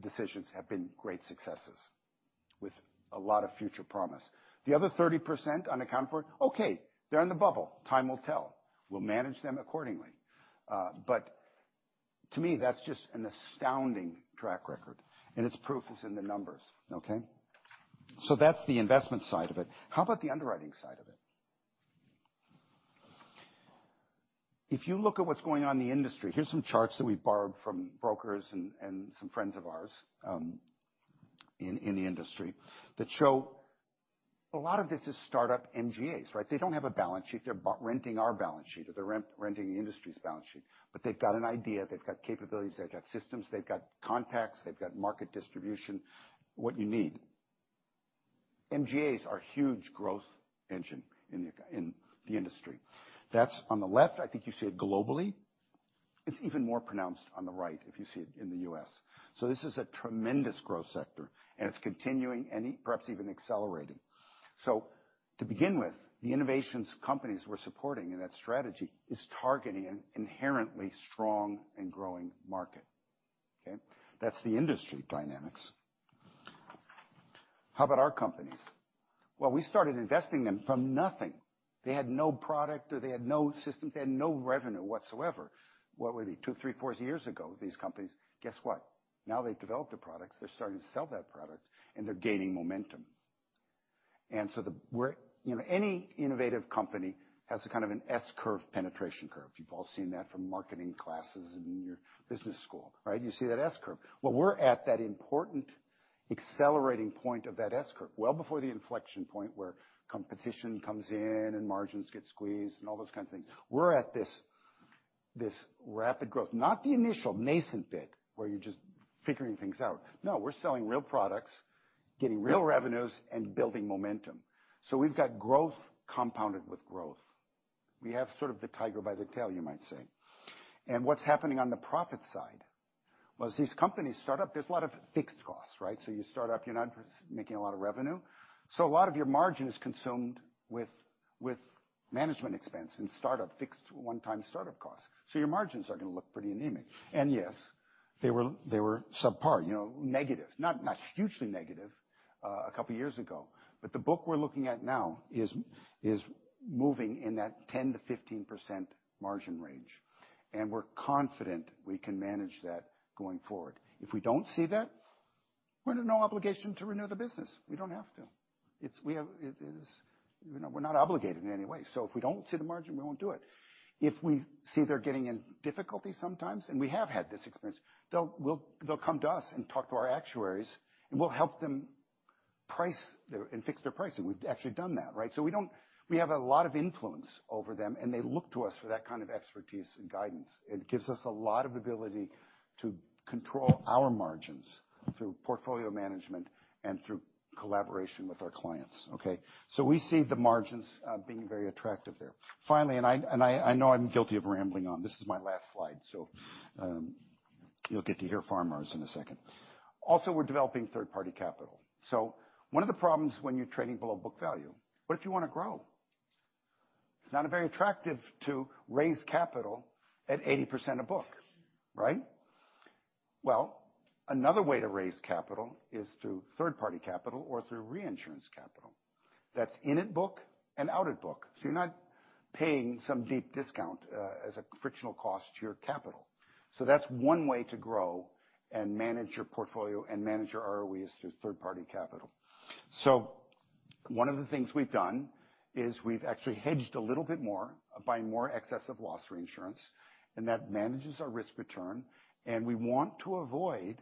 decisions have been great successes with a lot of future promise. The other 30% unaccounted for, okay, they're in the bubble. Time will tell. We'll manage them accordingly. But to me, that's just an astounding track record. And its proof is in the numbers, okay? So that's the investment side of it. How about the underwriting side of it? If you look at what's going on in the industry, here's some charts that we borrowed from brokers and some friends of ours in the industry that show a lot of this is startup MGAs, right? They don't have a balance sheet. They're renting our balance sheet or they're renting the industry's balance sheet, but they've got an idea. They've got capabilities. They've got systems. They've got contacts. They've got market distribution, what you need. MGAs are a huge growth engine in the industry. That's on the left. I think you see it globally. It's even more pronounced on the right if you see it in the U.S., so this is a tremendous growth sector, and it's continuing and perhaps even accelerating, so to begin with, the innovations companies we're supporting in that strategy is targeting an inherently strong and growing market, okay? That's the industry dynamics. How about our companies? Well, we started investing in them from nothing. They had no product or they had no systems. They had no revenue whatsoever. What would it be? Two, three, four years ago, these companies, guess what? Now they've developed a product. They're starting to sell that product, and they're gaining momentum. And so, you know, any innovative company has a kind of an S curve, penetration curve. You've all seen that from marketing classes in your business school, right? You see that S curve. Well, we're at that important accelerating point of that S curve, well before the inflection point where competition comes in and margins get squeezed and all those kinds of things. We're at this rapid growth, not the initial nascent bit where you're just figuring things out. No, we're selling real products, getting real revenues, and building momentum. So we've got growth compounded with growth. We have sort of the tiger by the tail, you might say. And what's happening on the profit side was these companies start up, there's a lot of fixed costs, right? So you start up, you're not making a lot of revenue. So a lot of your margin is consumed with management expense and startup fixed one-time startup costs. So your margins are going to look pretty anemic. And yes, they were subpar, you know, negative, not hugely negative a couple of years ago, but the book we're looking at now is moving in that 10%-15% margin range. And we're confident we can manage that going forward. If we don't see that, we're in no obligation to renew the business. We don't have to. We're not obligated in any way. So if we don't see the margin, we won't do it. If we see they're getting in difficulty sometimes, and we have had this experience, they'll come to us and talk to our actuaries, and we'll help them price and fix their pricing. We've actually done that, right? So we don't, we have a lot of influence over them, and they look to us for that kind of expertise and guidance. It gives us a lot of ability to control our margins through portfolio management and through collaboration with our clients, okay? So we see the margins being very attractive there. Finally, and I know I'm guilty of rambling on, this is my last slide, so you'll get to hear Faramarz in a second. Also, we're developing third-party capital. So one of the problems when you're trading below book value, what if you want to grow? It's not very attractive to raise capital at 80% of book, right? Well, another way to raise capital is through third-party capital or through reinsurance capital that's in at book and out at book. So you're not paying some deep discount as a frictional cost to your capital. So that's one way to grow and manage your portfolio and manage your ROEs through third-party capital. So one of the things we've done is we've actually hedged a little bit more by more excess of loss reinsurance, and that manages our risk return, and we want to avoid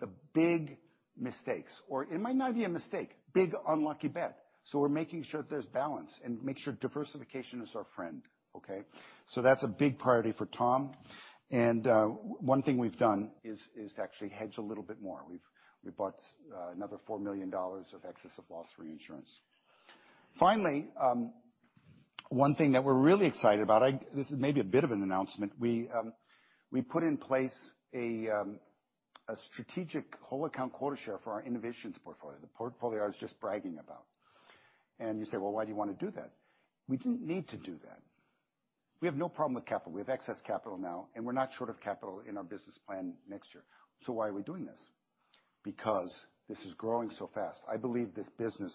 the big mistakes, or it might not be a mistake, big unlucky bet. So we're making sure there's balance and make sure diversification is our friend, okay? So that's a big priority for Tom. And one thing we've done is to actually hedge a little bit more. We bought another $4 million of excess of loss reinsurance. Finally, one thing that we're really excited about. This is maybe a bit of an announcement. We put in place a strategic whole account quota share for our innovations portfolio. The portfolio I was just bragging about. You say, well, why do you want to do that? We didn't need to do that. We have no problem with capital. We have excess capital now, and we're not short of capital in our business plan next year. So why are we doing this? Because this is growing so fast. I believe this business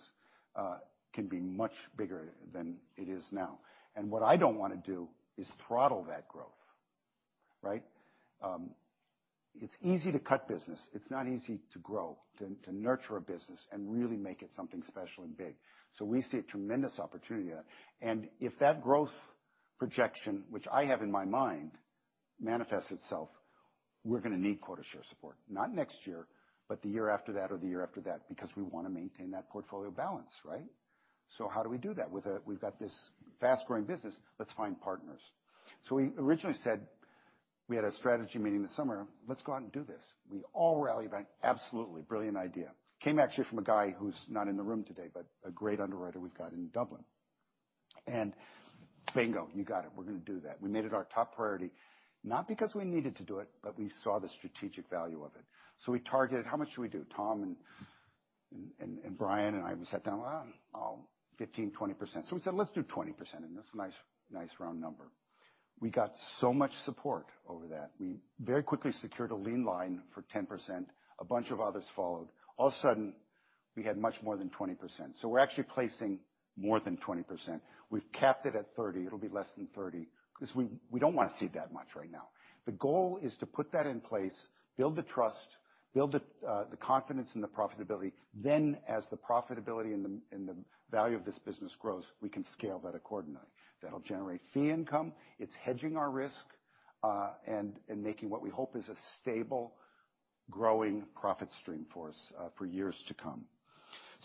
can be much bigger than it is now. And what I don't want to do is throttle that growth, right? It's easy to cut business. It's not easy to grow, to nurture a business and really make it something special and big. So we see a tremendous opportunity there. If that growth projection, which I have in my mind, manifests itself, we're going to need quota share support, not next year, but the year after that or the year after that, because we want to maintain that portfolio balance, right? How do we do that? With a, we've got this fast-growing business, let's find partners. We originally said we had a strategy meeting this summer, let's go out and do this. We all rallied about an absolutely brilliant idea. Came actually from a guy who's not in the room today, but a great underwriter we've got in Dublin. Bingo, you got it. We're going to do that. We made it our top priority, not because we needed to do it, but we saw the strategic value of it. We targeted, how much do we do? Tom and Brian and I sat down, well, 15%-20%. So we said, let's do 20%, and that's a nice round number. We got so much support over that. We very quickly secured a lean line for 10%. A bunch of others followed. All of a sudden, we had much more than 20%. So we're actually placing more than 20%. We've capped it at 30%. It'll be less than 30% because we don't want to see that much right now. The goal is to put that in place, build the trust, build the confidence in the profitability. Then, as the profitability and the value of this business grows, we can scale that accordingly. That'll generate fee income. It's hedging our risk and making what we hope is a stable, growing profit stream for us for years to come.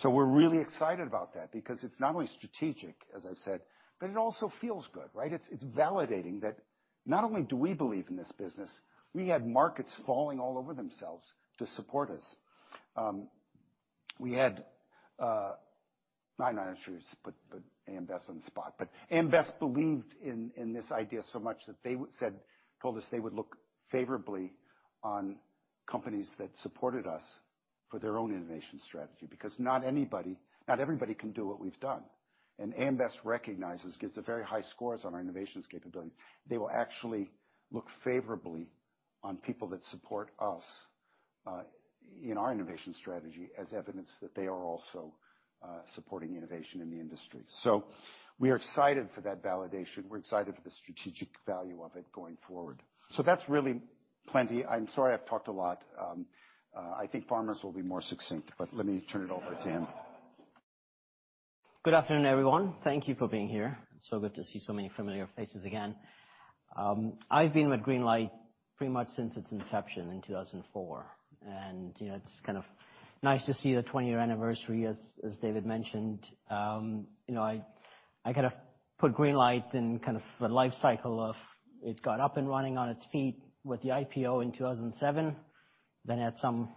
So we're really excited about that because it's not only strategic, as I've said, but it also feels good, right? It's validating that not only do we believe in this business, we had markets falling all over themselves to support us. We had, I'm not sure you put AM Best on the spot, but AM Best believed in this idea so much that they said, told us they would look favorably on companies that supported us for their own innovation strategy because not everybody can do what we've done. And AM Best recognizes, gives very high scores on our innovations capabilities. They will actually look favorably on people that support us in our innovation strategy as evidence that they are also supporting innovation in the industry. So we are excited for that validation. We're excited for the strategic value of it going forward. So that's really plenty. I'm sorry I've talked a lot. I think Faramarz will be more succinct, but let me turn it over to him. Good afternoon, everyone. Thank you for being here. It's so good to see so many familiar faces again. I've been with Greenlight pretty much since its inception in 2004, and it's kind of nice to see the 20-year anniversary, as David mentioned. You know, I kind of put Greenlight in kind of a life cycle of it got up and running on its feet with the IPO in 2007, then had some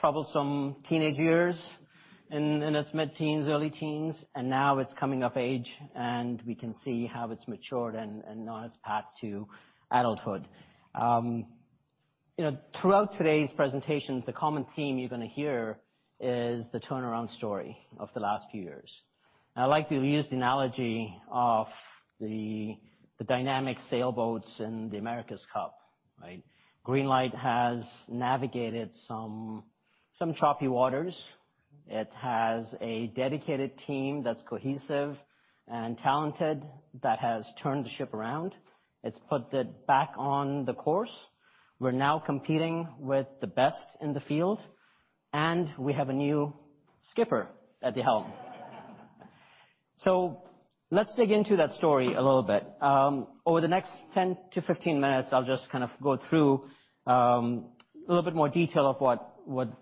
troublesome teenage years in its mid-teens, early teens, and now it's coming of age and we can see how it's matured and on its path to adulthood. You know, throughout today's presentation, the common theme you're going to hear is the turnaround story of the last few years. I like to use the analogy of the dynamic sailboats in the America's Cup, right? Greenlight has navigated some choppy waters. It has a dedicated team that's cohesive and talented that has turned the ship around. It's put us back on the course. We're now competing with the best in the field, and we have a new skipper at the helm. So let's dig into that story a little bit. Over the next 10 to 15 minutes, I'll just kind of go through a little bit more detail of what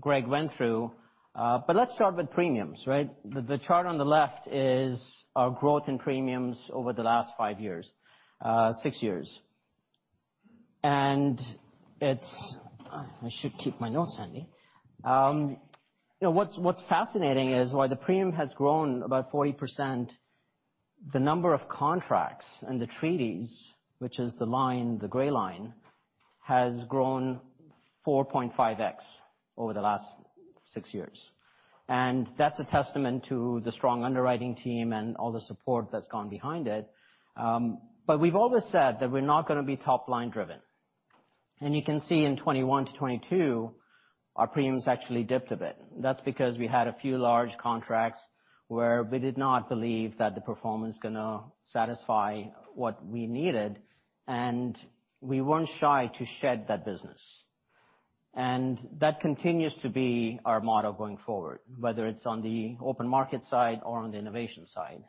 Greg went through. But let's start with premiums, right? The chart on the left is our growth in premiums over the last five years, six years. It's, I should keep my notes handy. You know, what's fascinating is while the premium has grown about 40%, the number of contracts and the treaties, which is the line, the gray line, has grown 4.5x over the last six years. And that's a testament to the strong underwriting team and all the support that's gone behind it. But we've always said that we're not going to be top-line driven. And you can see in 2021 to 2022, our premiums actually dipped a bit. That's because we had a few large contracts where we did not believe that the performance was going to satisfy what we needed, and we weren't shy to shed that business. And that continues to be our motto going forward, whether it's on the open market side or on the innovation side.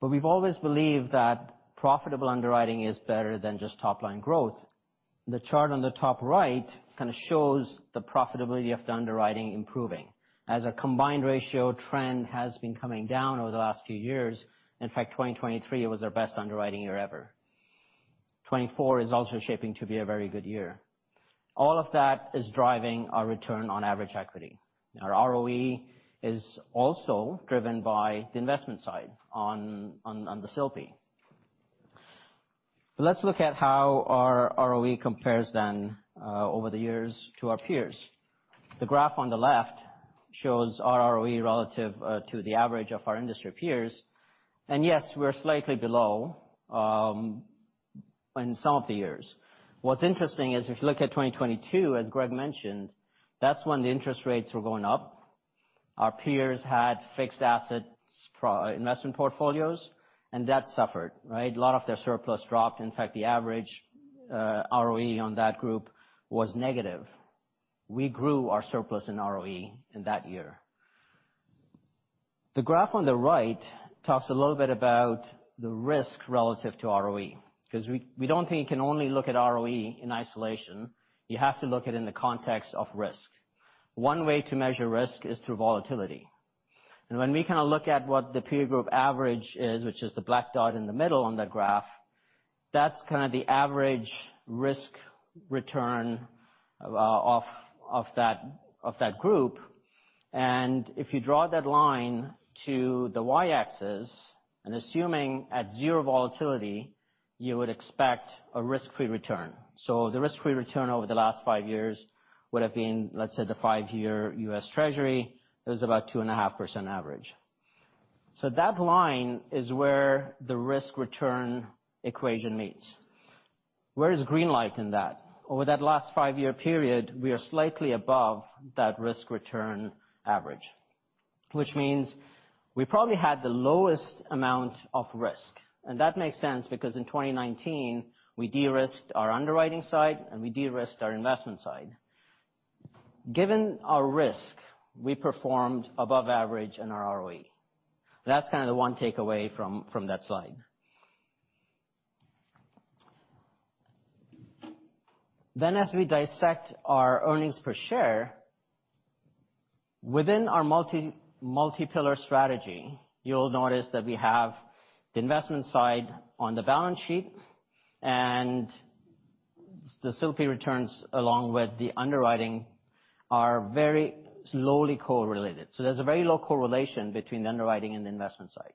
But we've always believed that profitable underwriting is better than just top-line growth. The chart on the top right kind of shows the profitability of the underwriting improving. As a combined ratio trend has been coming down over the last few years, in fact, 2023 was our best underwriting year ever. 2024 is also shaping to be a very good year. All of that is driving our return on average equity. Our ROE is also driven by the investment side on the SILP. Let's look at how our ROE compares then over the years to our peers. The graph on the left shows our ROE relative to the average of our industry peers. And yes, we're slightly below in some of the years. What's interesting is if you look at 2022, as Greg mentioned, that's when the interest rates were going up. Our peers had fixed asset investment portfolios, and that suffered, right? A lot of their surplus dropped. In fact, the average ROE on that group was negative. We grew our surplus in ROE in that year. The graph on the right talks a little bit about the risk relative to ROE because we don't think you can only look at ROE in isolation. You have to look at it in the context of risk. One way to measure risk is through volatility, and when we kind of look at what the peer group average is, which is the black dot in the middle on the graph, that's kind of the average risk return of that group, and if you draw that line to the Y-axis, and assuming at zero volatility, you would expect a risk-free return, so the risk-free return over the last five years would have been, let's say, the five-year U.S. Treasury. It was about 2.5% average. So that line is where the risk-return equation meets. Where is Greenlight in that? Over that last five-year period, we are slightly above that risk-return average, which means we probably had the lowest amount of risk. And that makes sense because in 2019, we de-risked our underwriting side and we de-risked our investment side. Given our risk, we performed above average in our ROE. That's kind of the one takeaway from that slide. Then, as we dissect our earnings per share, within our multi-pillar strategy, you'll notice that we have the investment side on the balance sheet, and the SILPI returns along with the underwriting are very lowly correlated. So there's a very low correlation between the underwriting and the investment side.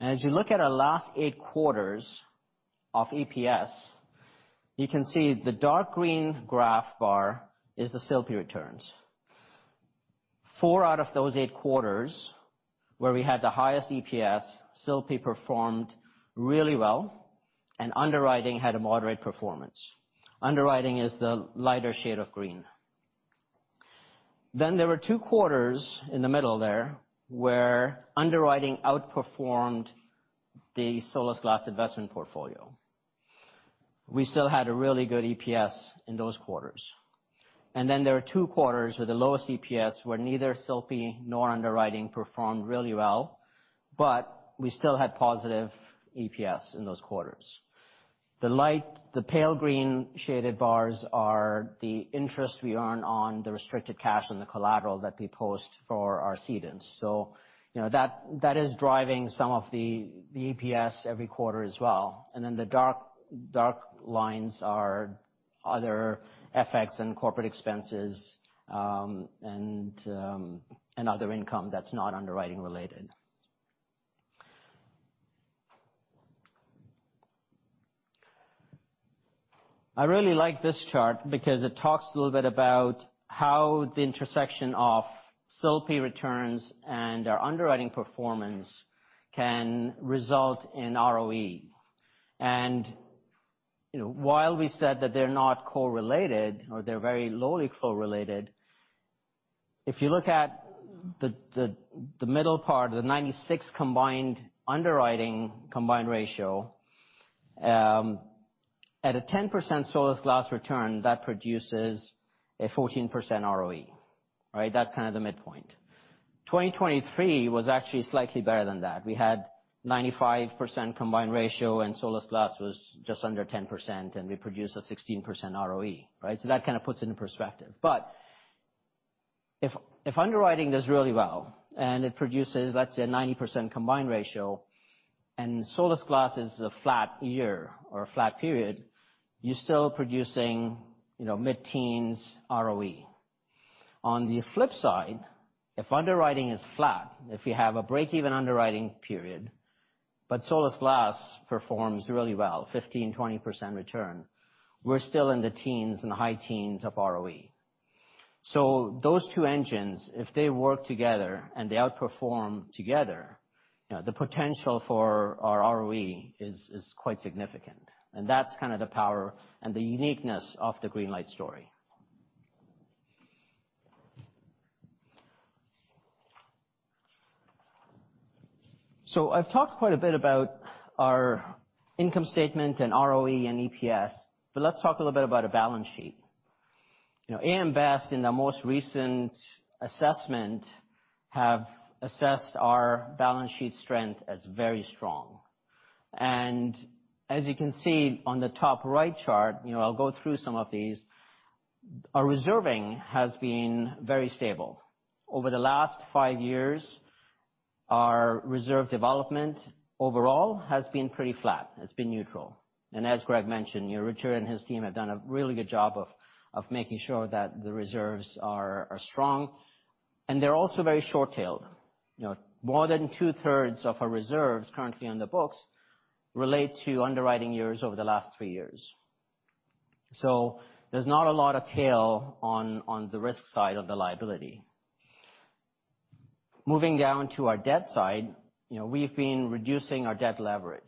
And as you look at our last eight quarters of EPS, you can see the dark green graph bar is the SILPI returns. Four out of those eight quarters where we had the highest EPS, Solas Glas performed really well, and underwriting had a moderate performance. Underwriting is the lighter shade of green. Then there were two quarters in the middle there where underwriting outperformed the Solas Glas investment portfolio. We still had a really good EPS in those quarters. And then there are two quarters with the lowest EPS where neither Solas Glas nor underwriting performed really well, but we still had positive EPS in those quarters. The pale green shaded bars are the interest we earn on the restricted cash and the collateral that we post for our cedings. So, you know, that is driving some of the EPS every quarter as well. And then the dark lines are other FX and corporate expenses and other income that's not underwriting-related. I really like this chart because it talks a little bit about how the intersection of SILPI returns and our underwriting performance can result in ROE, and while we said that they're not correlated or they're very lowly correlated, if you look at the middle part, the 96% combined underwriting ratio, at a 10% Solasglas return, that produces a 14% ROE, right? That's kind of the midpoint. 2023 was actually slightly better than that. We had 95% combined ratio and Solasglas was just under 10% and we produced a 16% ROE, right, so that kind of puts it into perspective, but if underwriting does really well and it produces, let's say, a 90% combined ratio and Solasglas is a flat year or a flat period, you're still producing mid-teens ROE. On the flip side, if underwriting is flat, if we have a break-even underwriting period, but Solas Glas performs really well, 15%-20% return, we're still in the teens and high teens of ROE. Those two engines, if they work together and they outperform together, the potential for our ROE is quite significant. That's kind of the power and the uniqueness of the Greenlight story. I've talked quite a bit about our income statement and ROE and EPS, but let's talk a little bit about a balance sheet. AM Best in their most recent assessment have assessed our balance sheet strength as very strong. As you can see on the top right chart, I'll go through some of these, our reserving has been very stable. Over the last five years, our reserve development overall has been pretty flat. It's been neutral. As Greg mentioned, Richard and his team have done a really good job of making sure that the reserves are strong. They're also very short-tailed. More than two-thirds of our reserves currently on the books relate to underwriting years over the last three years. So there's not a lot of tail on the risk side of the liability. Moving down to our debt side, we've been reducing our debt leverage.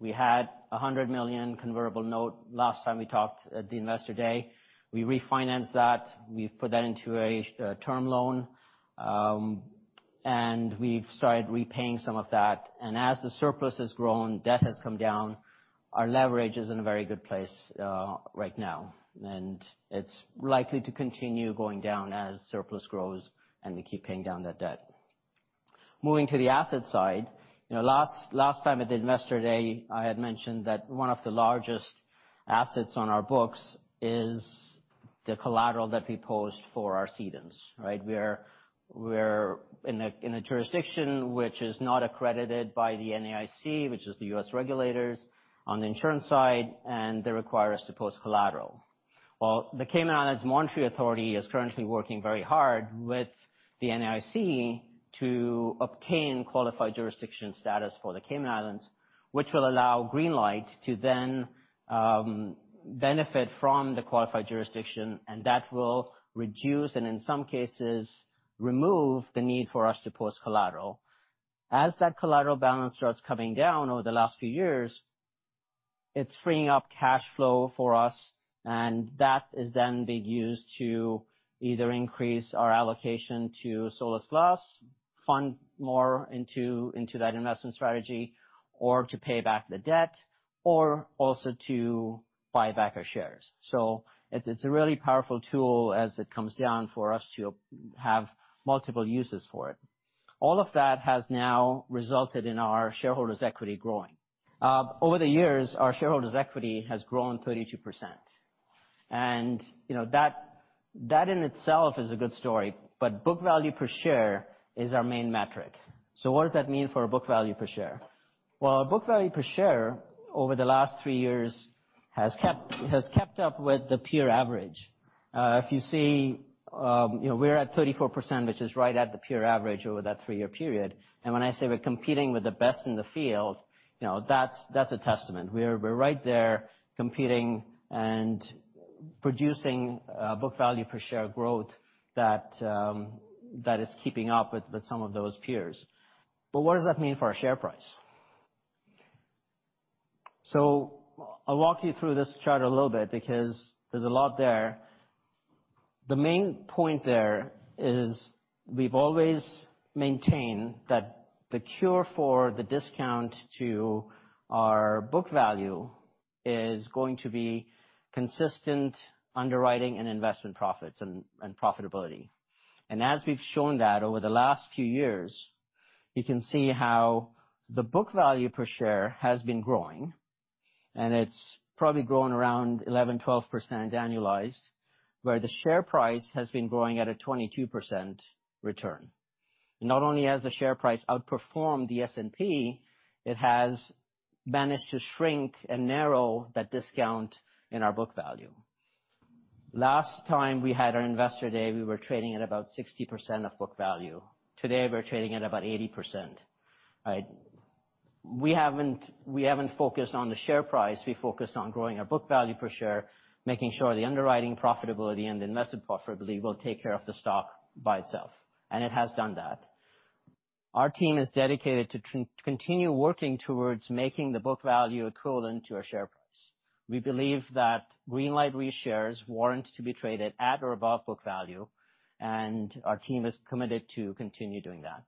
We had $100 million convertible note last time we talked at the investor day. We refinanced that. We've put that into a term loan, and we've started repaying some of that. As the surplus has grown, debt has come down. Our leverage is in a very good place right now, and it's likely to continue going down as surplus grows and we keep paying down that debt. Moving to the asset side, last time at the investor day, I had mentioned that one of the largest assets on our books is the collateral that we post for our cedings, right? We're in a jurisdiction which is not accredited by the NAIC, which is the U.S. regulators, on the insurance side, and they require us to post collateral. The Cayman Islands Monetary Authority is currently working very hard with the NAIC to obtain qualified jurisdiction status for the Cayman Islands, which will allow Greenlight to then benefit from the qualified jurisdiction, and that will reduce and in some cases remove the need for us to post collateral. As that collateral balance starts coming down over the last few years, it's freeing up cash flow for us, and that is then being used to either increase our allocation to Solas Glas, fund more into that investment strategy, or to pay back the debt or also to buy back our shares. So it's a really powerful tool as it comes down for us to have multiple uses for it. All of that has now resulted in our shareholders' equity growing. Over the years, our shareholders' equity has grown 32%. And that in itself is a good story, but book value per share is our main metric. So what does that mean for a book value per share? Well, our book value per share over the last three years has kept up with the peer average. If you see, we're at 34%, which is right at the peer average over that three-year period, and when I say we're competing with the best in the field, that's a testament. We're right there competing and producing book value per share growth that is keeping up with some of those peers, but what does that mean for our share price, so I'll walk you through this chart a little bit because there's a lot there. The main point there is we've always maintained that the cure for the discount to our book value is going to be consistent underwriting and investment profits and profitability, and as we've shown that over the last few years, you can see how the book value per share has been growing, and it's probably grown around 11-12% annualized, where the share price has been growing at a 22% return. Not only has the share price outperformed the S&P, it has managed to shrink and narrow that discount in our book value. Last time we had our investor day, we were trading at about 60% of book value. Today, we're trading at about 80%. We haven't focused on the share price. We focused on growing our book value per share, making sure the underwriting profitability and the investment profitability will take care of the stock by itself, and it has done that. Our team is dedicated to continue working towards making the book value equivalent to our share price. We believe that Greenlight Re shares warrant to be traded at or above book value, and our team is committed to continue doing that.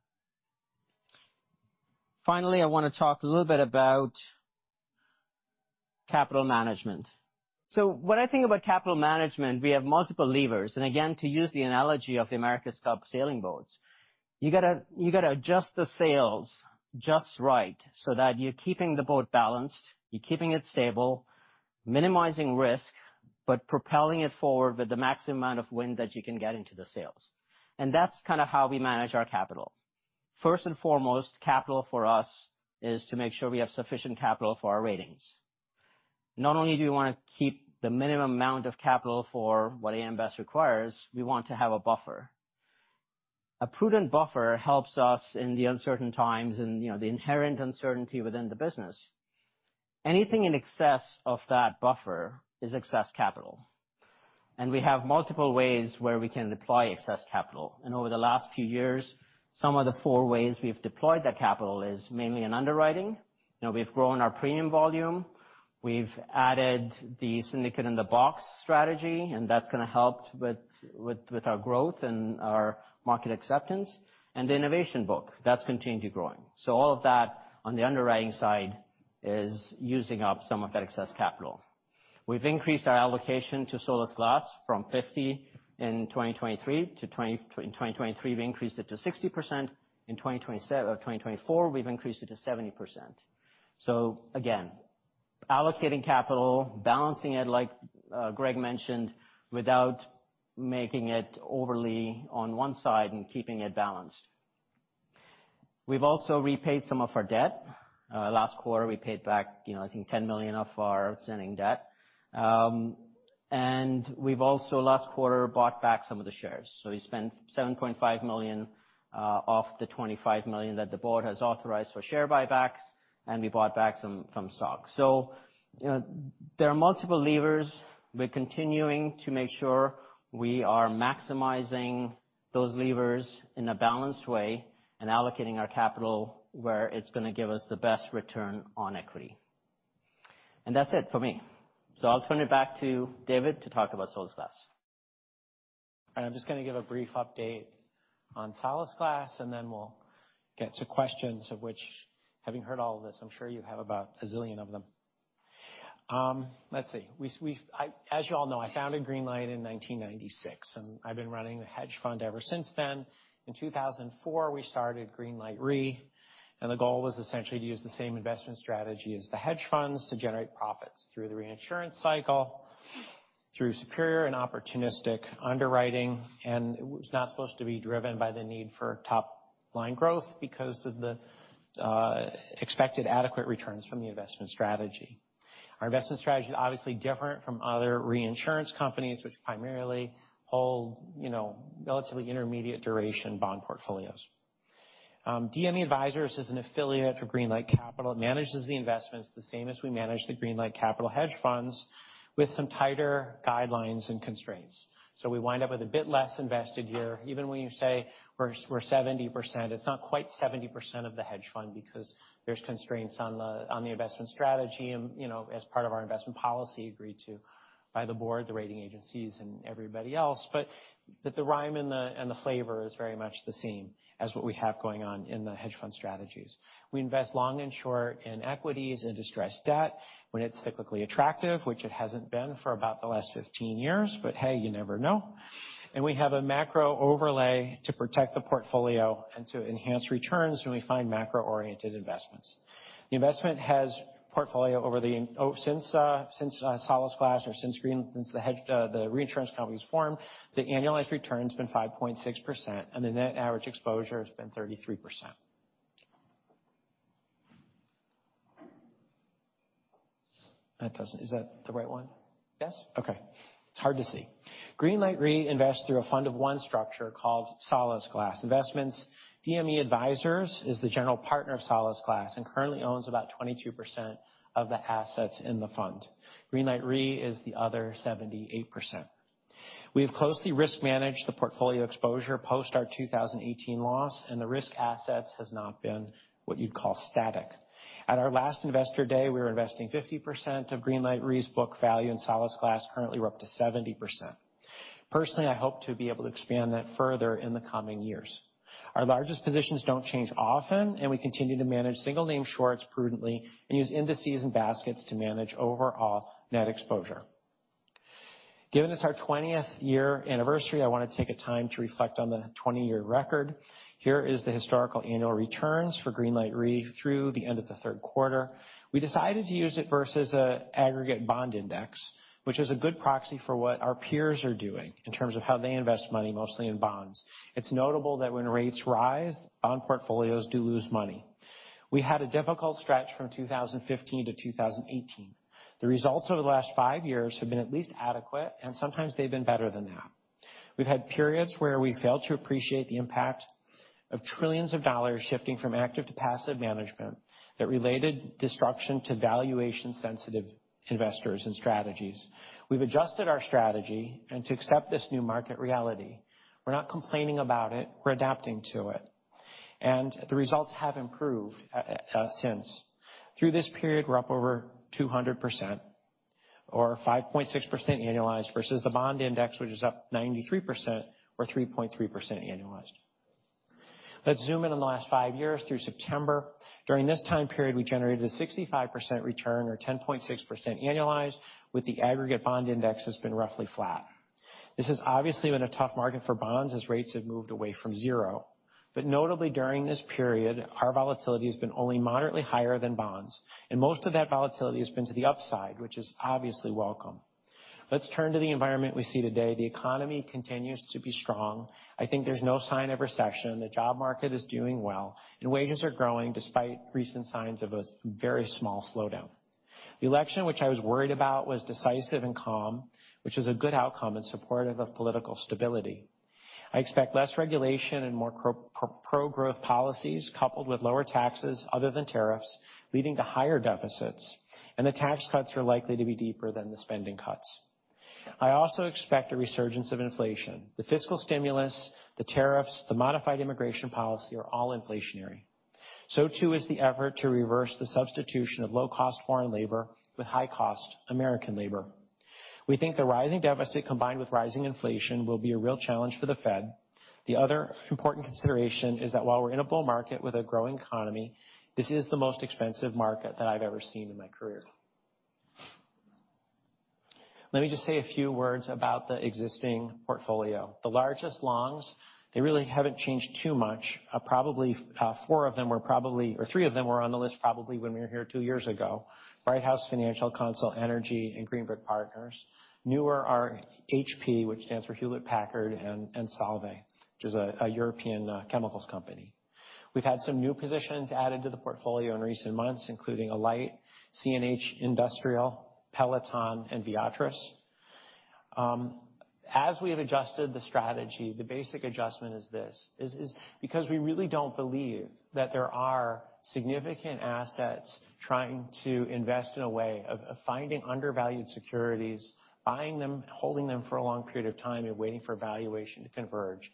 Finally, I want to talk a little bit about capital management. When I think about capital management, we have multiple levers. And again, to use the analogy of the America's Cup sailing boats, you got to adjust the sails just right so that you're keeping the boat balanced, you're keeping it stable, minimizing risk, but propelling it forward with the maximum amount of wind that you can get into the sails. And that's kind of how we manage our capital. First and foremost, capital for us is to make sure we have sufficient capital for our ratings. Not only do we want to keep the minimum amount of capital for what AM Best requires, we want to have a buffer. A prudent buffer helps us in the uncertain times and the inherent uncertainty within the business. Anything in excess of that buffer is excess capital. And we have multiple ways where we can deploy excess capital. Over the last few years, some of the four ways we've deployed that capital is mainly in underwriting. We've grown our premium volume. We've added the Syndicate-in-a-Box strategy, and that's going to help with our growth and our market acceptance. And the innovation book, that's continued to be growing. So all of that on the underwriting side is using up some of that excess capital. We've increased our allocation to Solas Glas from 50% in 2023 to 60%. In 2024, we've increased it to 70%. So again, allocating capital, balancing it, like Greg mentioned, without making it overly on one side and keeping it balanced. We've also repaid some of our debt. Last quarter, we paid back, I think, $10 million of our outstanding debt. And we've also, last quarter, bought back some of the shares. We spent $7.5 million off the $25 million that the board has authorized for share buybacks, and we bought back some stock. So there are multiple levers. We're continuing to make sure we are maximizing those levers in a balanced way and allocating our capital where it's going to give us the best return on equity. And that's it for me. So I'll turn it back to David to talk about Solas Glas. I'm just going to give a brief update on Solas Glas, and then we'll get to questions of which, having heard all of this, I'm sure you have about a zillion of them. Let's see. As you all know, I founded Greenlight in 1996, and I've been running the hedge fund ever since then. In 2004, we started Greenlight Re, and the goal was essentially to use the same investment strategy as the hedge funds to generate profits through the reinsurance cycle, through superior and opportunistic underwriting. It was not supposed to be driven by the need for top-line growth because of the expected adequate returns from the investment strategy. Our investment strategy is obviously different from other reinsurance companies, which primarily hold relatively intermediate duration bond portfolios. DME Advisors is an affiliate of Greenlight Capital. It manages the investments the same as we manage the Greenlight Capital hedge funds with some tighter guidelines and constraints. So we wind up with a bit less invested here. Even when you say we're 70%, it's not quite 70% of the hedge fund because there's constraints on the investment strategy as part of our investment policy agreed to by the board, the rating agencies, and everybody else. But the rhyme and the flavor is very much the same as what we have going on in the hedge fund strategies. We invest long and short in equities and distressed debt when it's cyclically attractive, which it hasn't been for about the last 15 years, but hey, you never know. And we have a macro overlay to protect the portfolio and to enhance returns when we find macro-oriented investments. The investment has portfolio over the since Solas Glas or since Greenlight Re, since the reinsurance company was formed, the annualized return has been 5.6%, and the net average exposure has been 33%. Is that the right one? Yes? Okay. It's hard to see. Greenlight Re invests through a fund of one structure called Solas Glas Investments. DME Advisors is the general partner of Solas Glas and currently owns about 22% of the assets in the fund. Greenlight Re is the other 78%. We have closely risk managed the portfolio exposure post our 2018 loss, and the risk assets has not been what you'd call static. At our last investor day, we were investing 50% of Greenlight Re's book value, and Solas Glas currently we're up to 70%. Personally, I hope to be able to expand that further in the coming years. Our largest positions don't change often, and we continue to manage single-name shorts prudently and use indices and baskets to manage overall net exposure. Given it's our 20th year anniversary, I want to take a time to reflect on the 20-year record. Here is the historical annual returns for Greenlight Re through the end of the Q3. We decided to use it versus an aggregate bond index, which is a good proxy for what our peers are doing in terms of how they invest money mostly in bonds. It's notable that when rates rise, bond portfolios do lose money. We had a difficult stretch from 2015 to 2018. The results over the last five years have been at least adequate, and sometimes they've been better than that. We've had periods where we failed to appreciate the impact of trillions of dollars shifting from active to passive management that related destruction to valuation-sensitive investors and strategies. We've adjusted our strategy and to accept this new market reality. We're not complaining about it. We're adapting to it, and the results have improved since. Through this period, we're up over 200% or 5.6% annualized versus the bond index, which is up 93% or 3.3% annualized. Let's zoom in on the last five years through September. During this time period, we generated a 65% return or 10.6% annualized, while the aggregate bond index has been roughly flat. This has obviously been a tough market for bonds as rates have moved away from zero, but notably, during this period, our volatility has been only moderately higher than bonds, and most of that volatility has been to the upside, which is obviously welcome. Let's turn to the environment we see today. The economy continues to be strong. I think there's no sign of recession. The job market is doing well, and wages are growing despite recent signs of a very small slowdown. The election, which I was worried about, was decisive and calm, which is a good outcome in support of political stability. I expect less regulation and more pro-growth policies coupled with lower taxes other than tariffs leading to higher deficits, and the tax cuts are likely to be deeper than the spending cuts. I also expect a resurgence of inflation. The fiscal stimulus, the tariffs, the modified immigration policy are all inflationary. So too is the effort to reverse the substitution of low-cost foreign labor with high-cost American labor. We think the rising deficit combined with rising inflation will be a real challenge for the Fed. The other important consideration is that while we're in a bull market with a growing economy, this is the most expensive market that I've ever seen in my career. Let me just say a few words about the existing portfolio. The largest longs, they really haven't changed too much. Probably four of them, or three of them, were on the list when we were here two years ago: Brighthouse Financial, CONSOL Energy, and Green Brick Partners. Newer are HP, which stands for Hewlett-Packard, and Solvay, which is a European chemicals company. We've had some new positions added to the portfolio in recent months, including Alight, CNH Industrial, Peloton, and Viatris. As we have adjusted the strategy, the basic adjustment is this: because we really don't believe that there are significant assets trying to invest in a way of finding undervalued securities, buying them, holding them for a long period of time, and waiting for valuation to converge,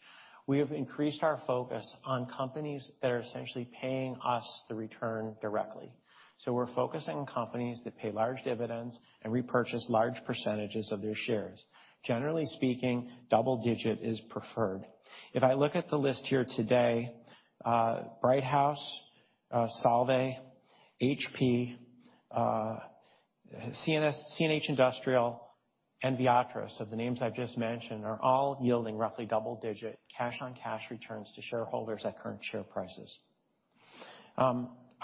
we have increased our focus on companies that are essentially paying us the return directly. So we're focusing on companies that pay large dividends and repurchase large percentages of their shares. Generally speaking, double-digit is preferred. If I look at the list here today, Brighthouse, Solvay, HP, CNH Industrial, and Viatris, the names I've just mentioned, are all yielding roughly double-digit cash-on-cash returns to shareholders at current share prices.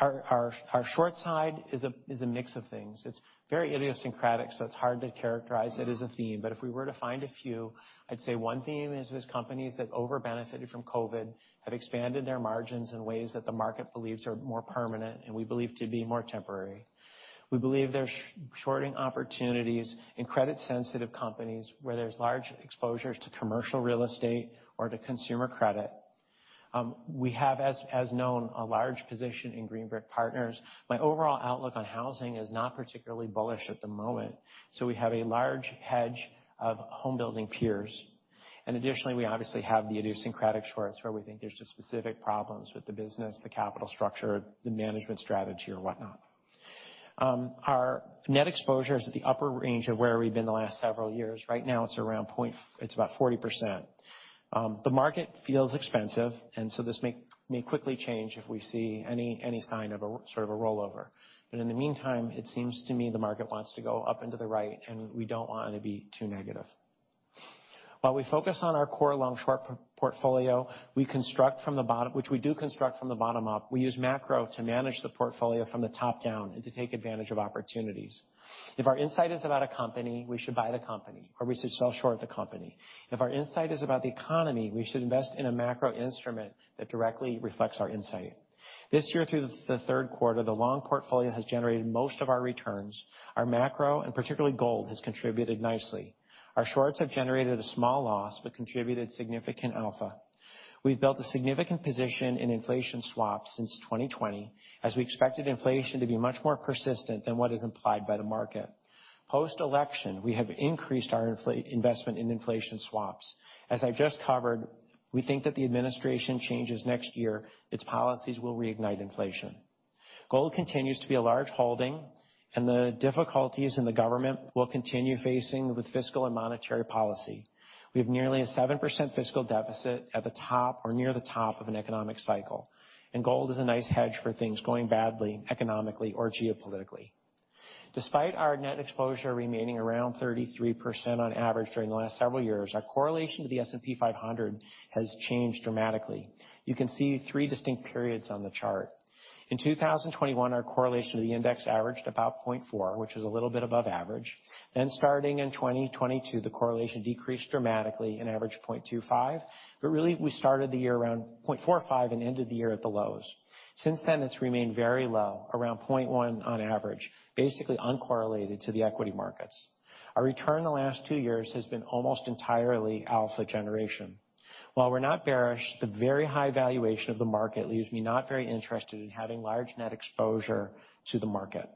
Our short side is a mix of things. It's very idiosyncratic, so it's hard to characterize it as a theme. But if we were to find a few, I'd say one theme is companies that over-benefited from COVID have expanded their margins in ways that the market believes are more permanent and we believe to be more temporary. We believe there are shorting opportunities in credit-sensitive companies where there's large exposures to commercial real estate or to consumer credit. We have, as known, a large position in Green Brick Partners. My overall outlook on housing is not particularly bullish at the moment. So we have a large hedge of home-building peers. And additionally, we obviously have the idiosyncratic shorts where we think there's just specific problems with the business, the capital structure, the management strategy, or whatnot. Our net exposure is at the upper range of where we've been the last several years. Right now, it's around 40%. It's about 40%. The market feels expensive, and so this may quickly change if we see any sign of a sort of a rollover. But in the meantime, it seems to me the market wants to go up and to the right, and we don't want to be too negative. While we focus on our core long-short portfolio, we construct from the bottom, which we do construct from the bottom up. We use macro to manage the portfolio from the top down and to take advantage of opportunities. If our insight is about a company, we should buy the company, or we should sell short the company. If our insight is about the economy, we should invest in a macro instrument that directly reflects our insight. This year, through the Q3, the long portfolio has generated most of our returns. Our macro, and particularly gold, has contributed nicely. Our shorts have generated a small loss but contributed significant alpha. We've built a significant position in inflation swaps since 2020, as we expected inflation to be much more persistent than what is implied by the market. Post-election, we have increased our investment in inflation swaps. As I've just covered, we think that the administration changes next year, its policies will reignite inflation. Gold continues to be a large holding, and the difficulties in the government will continue facing with fiscal and monetary policy. We have nearly a 7% fiscal deficit at the top or near the top of an economic cycle, and gold is a nice hedge for things going badly economically or geopolitically. Despite our net exposure remaining around 33% on average during the last several years, our correlation to the S&P 500 has changed dramatically. You can see three distinct periods on the chart. In 2021, our correlation to the index averaged about 0.4, which was a little bit above average. Then, starting in 2022, the correlation decreased dramatically and averaged 0.25, but really, we started the year around 0.45 and ended the year at the lows. Since then, it's remained very low, around 0.1 on average, basically uncorrelated to the equity markets. Our return in the last two years has been almost entirely alpha generation. While we're not bearish, the very high valuation of the market leaves me not very interested in having large net exposure to the market.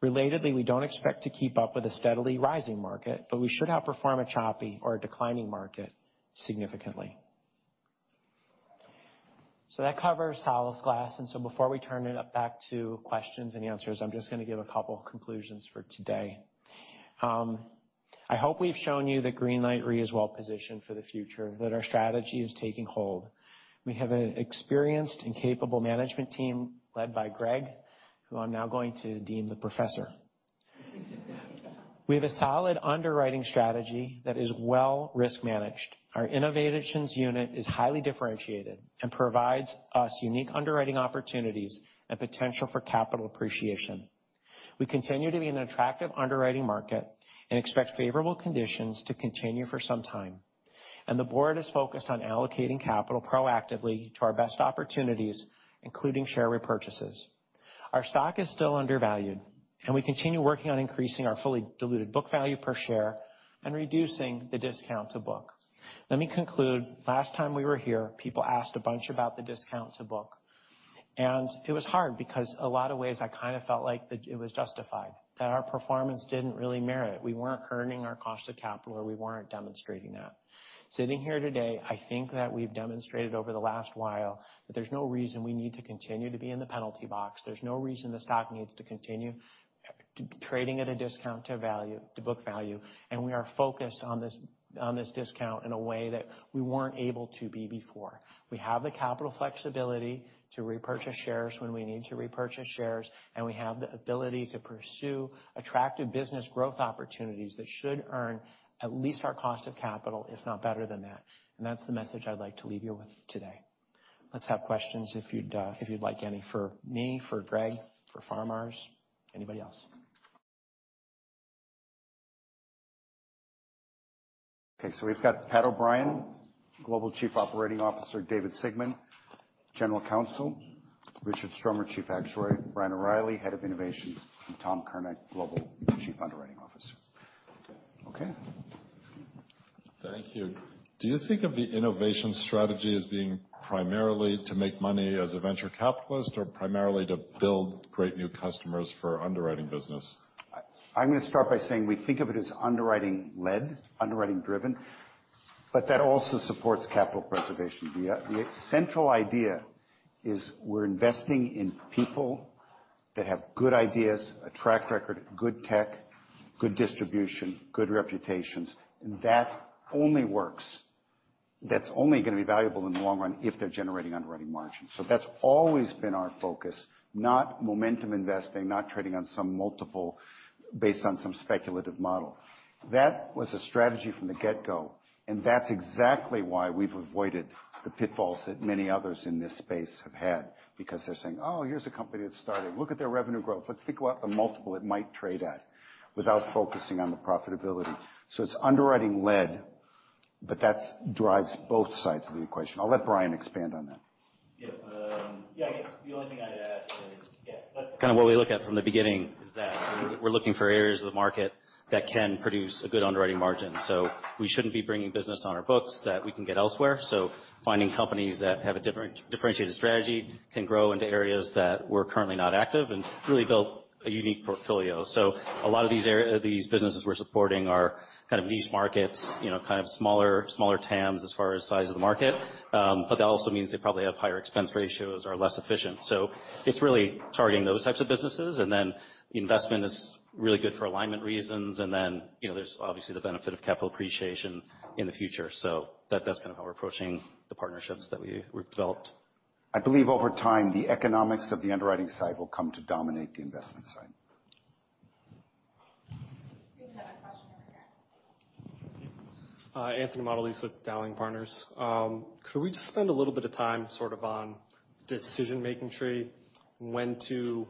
Relatedly, we don't expect to keep up with a steadily rising market, but we should outperform a choppy or a declining market significantly, so that covers Solas Glas, and so before we turn it back up to questions and answers, I'm just going to give a couple of conclusions for today. I hope we've shown you that Greenlight Re is well-positioned for the future, that our strategy is taking hold. We have an experienced and capable management team led by Greg, who I'm now going to deem the professor. We have a solid underwriting strategy that is well risk-managed. Our innovations unit is highly differentiated and provides us unique underwriting opportunities and potential for capital appreciation. We continue to be an attractive underwriting market and expect favorable conditions to continue for some time, and the board is focused on allocating capital proactively to our best opportunities, including share repurchases. Our stock is still undervalued, and we continue working on increasing our fully diluted book value per share and reducing the discount to book. Let me conclude. Last time we were here, people asked a bunch about the discount to book. And it was hard because a lot of ways I kind of felt like it was justified, that our performance didn't really merit. We weren't earning our cost of capital, or we weren't demonstrating that. Sitting here today, I think that we've demonstrated over the last while that there's no reason we need to continue to be in the penalty box. There's no reason the stock needs to continue trading at a discount to book value. And we are focused on this discount in a way that we weren't able to be before. We have the capital flexibility to repurchase shares when we need to repurchase shares, and we have the ability to pursue attractive business growth opportunities that should earn at least our cost of capital, if not better than that. And that's the message I'd like to leave you with today. Let's have questions if you'd like any for me, for Greg, for Faramarz, anybody else. Okay. So we've got Pat O'Brien, Global Chief Operating Officer, David Sigmon, General Counsel, Richard Stromer, Chief Actuary, Brian O'Reilly, Head of Innovation, and Tom Curnock, Global Chief Underwriting Officer. Okay. Thank you. Do you think of the innovation strategy as being primarily to make money as a venture capitalist or primarily to build great new customers for underwriting business? I'm going to start by saying we think of it as underwriting-led, underwriting-driven, but that also supports capital preservation. The central idea is we're investing in people that have good ideas, a track record, good tech, good distribution, good reputations. And that only works. That's only going to be valuable in the long run if they're generating underwriting margins. So that's always been our focus, not momentum investing, not trading on some multiple based on some speculative model. That was a strategy from the get-go, and that's exactly why we've avoided the pitfalls that many others in this space have had, because they're saying, "Oh, here's a company that's starting. Look at their revenue growth. Let's think about the multiple it might trade at without focusing on the profitability." So it's underwriting-led, but that drives both sides of the equation. I'll let Brian expand on that. Yeah. Yeah. I guess the only thing I'd add is, yeah, let's kind of what we look at from the beginning is that we're looking for areas of the market that can produce a good underwriting margin. So we shouldn't be bringing business on our books that we can get elsewhere. So finding companies that have a different differentiated strategy can grow into areas that we're currently not active and really build a unique portfolio. So a lot of these businesses we're supporting are kind of niche markets, kind of smaller TAMs as far as size of the market. But that also means they probably have higher expense ratios or are less efficient. So it's really targeting those types of businesses. And then investment is really good for alignment reasons. And then there's obviously the benefit of capital appreciation in the future. So that's kind of how we're approaching the partnerships that we've developed. I believe over time, the economics of the underwriting side will come to dominate the investment side. You can have a question over here. Anthony Mottolese with Dowling & Partners. Could we just spend a little bit of time sort of on the decision-making tree, when to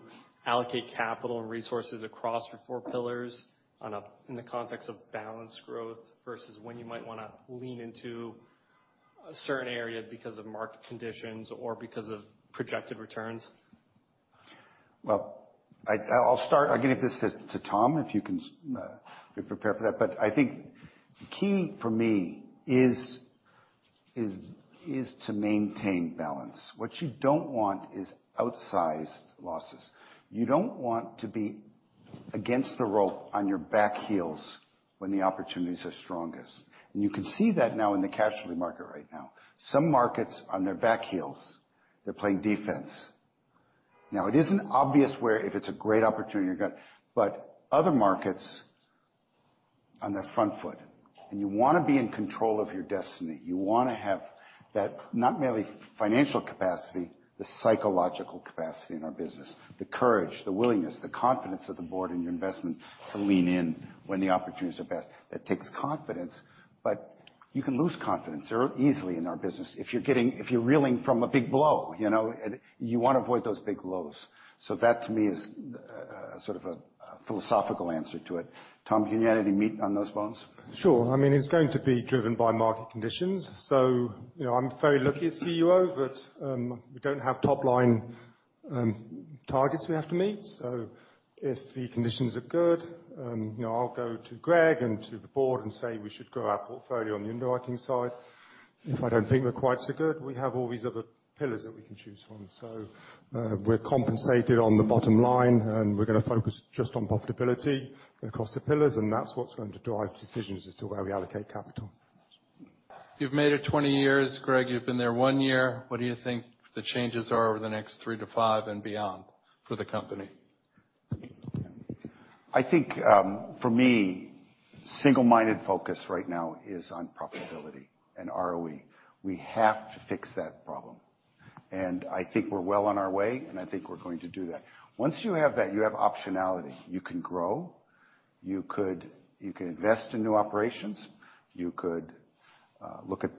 allocate capital and resources across your four pillars in the context of balanced growth versus when you might want to lean into a certain area because of market conditions or because of projected returns? Well, I'll start. I'll give this to Tom if you can prepare for that. But I think the key for me is to maintain balance. What you don't want is outsized losses. You don't want to be against the rope on your back heels when the opportunities are strongest. And you can see that now in the cash flow market right now. Some markets on their back heels, they're playing defense. Now, it isn't obvious where if it's a great opportunity you're going to, but other markets on their front foot. And you want to be in control of your destiny. You want to have that not merely financial capacity, the psychological capacity in our business, the courage, the willingness, the confidence of the board and your investment to lean in when the opportunities are best. That takes confidence, but you can lose confidence easily in our business if you're reeling from a big blow. You want to avoid those big blows. So that, to me, is sort of a philosophical answer to it. Tom, can you add any meat on those bones? Sure. I mean, it's going to be driven by market conditions. So I'm very lucky as CEO, but we don't have top-line targets we have to meet. So if the conditions are good, I'll go to Greg and to the board and say we should grow our portfolio on the underwriting side. If I don't think we're quite so good, we have all these other pillars that we can choose from. So we're compensated on the bottom line, and we're going to focus just on profitability across the pillars. And that's what's going to drive decisions as to where we allocate capital. You've made it 20 years. Greg, you've been there one year. What do you think the changes are over the next three to five and beyond for the company? I think for me, single-minded focus right now is on profitability and ROE. We have to fix that problem. And I think we're well on our way, and I think we're going to do that. Once you have that, you have optionality. You can grow. You could invest in new operations. You could look at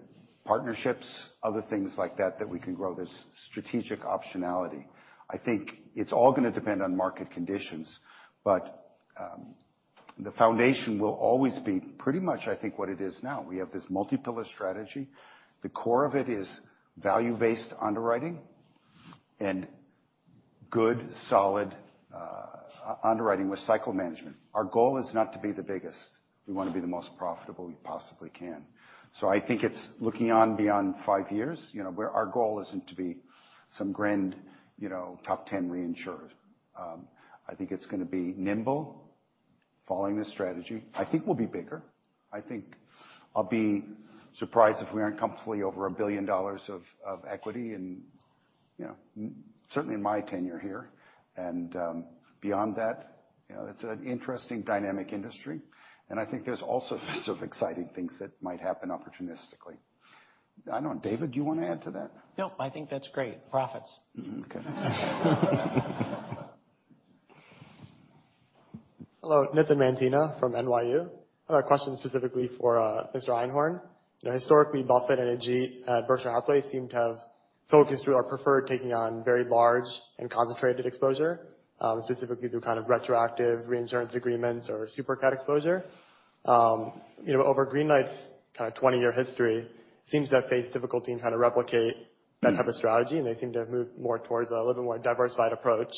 partnerships, other things like that that we can grow. There's strategic optionality. I think it's all going to depend on market conditions, but the foundation will always be pretty much, I think, what it is now. We have this multi-pillar strategy. The core of it is value-based underwriting and good, solid underwriting with cycle management. Our goal is not to be the biggest. We want to be the most profitable we possibly can. So I think it's looking on beyond five years. Our goal isn't to be some grand top 10 reinsurers. I think it's going to be nimble following the strategy. I think we'll be bigger. I think I'll be surprised if we aren't comfortably over $1 billion of equity in certainly in my tenure here. And beyond that, it's an interesting dynamic industry. And I think there's also lots of exciting things that might happen opportunistically. I don't know. David, do you want to add to that? Nope. I think that's great. Profits. Okay. Hello. Nathan Mantina from NYU. I have a question specifically for Mr. Einhorn. Historically, Buffett and Ajit at Berkshire Hathaway seem to have focused or preferred taking on very large and concentrated exposure, specifically through kind of retroactive reinsurance agreements or supercat exposure. Over Greenlight's kind of 20-year history, it seems to have faced difficulty in trying to replicate that type of strategy, and they seem to have moved more towards a little bit more diversified approach.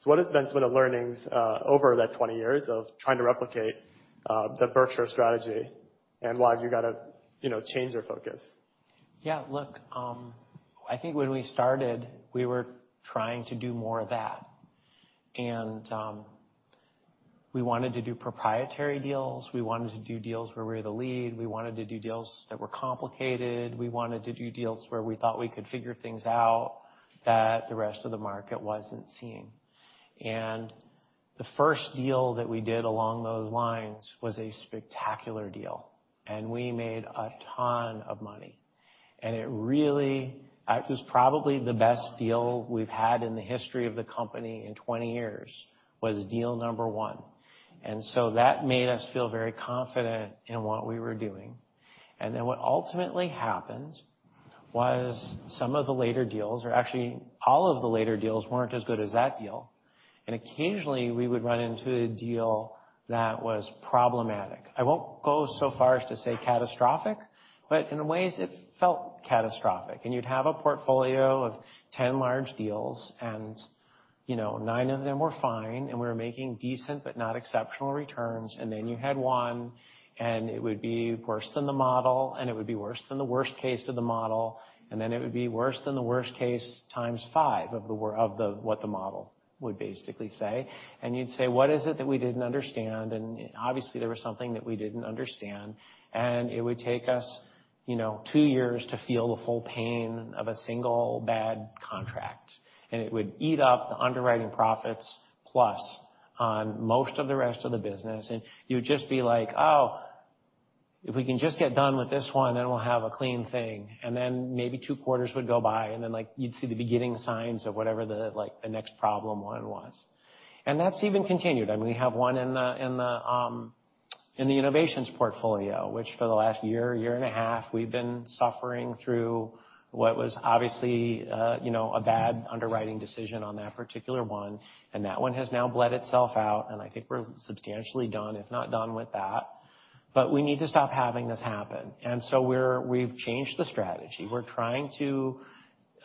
So what has been some of the learnings over that 20 years of trying to replicate the Berkshire strategy, and why have you got to change your focus? Yeah. Look, I think when we started, we were trying to do more of that. And we wanted to do proprietary deals. We wanted to do deals where we were the lead. We wanted to do deals that were complicated. We wanted to do deals where we thought we could figure things out that the rest of the market wasn't seeing, and the first deal that we did along those lines was a spectacular deal, and we made a ton of money, and it was probably the best deal we've had in the history of the company in 20 years, was deal number one, and so that made us feel very confident in what we were doing, and then what ultimately happened was some of the later deals or actually all of the later deals weren't as good as that deal, and occasionally, we would run into a deal that was problematic. I won't go so far as to say catastrophic, but in ways, it felt catastrophic. And you'd have a portfolio of 10 large deals, and nine of them were fine, and we were making decent but not exceptional returns. And then you had one, and it would be worse than the model, and it would be worse than the worst case of the model. And you'd say, "What is it that we didn't understand?" And obviously, there was something that we didn't understand. And it would take us two years to feel the full pain of a single bad contract. And it would eat up the underwriting profits plus on most of the rest of the business. And you would just be like, "Oh, if we can just get done with this one, then we'll have a clean thing." And then maybe two quarters would go by, and then you'd see the beginning signs of whatever the next problem one was. And that's even continued. I mean, we have one in the innovations portfolio, which for the last year, year and a half, we've been suffering through what was obviously a bad underwriting decision on that particular one. And that one has now bled itself out. And I think we're substantially done, if not done with that. But we need to stop having this happen. And so we've changed the strategy. We're trying to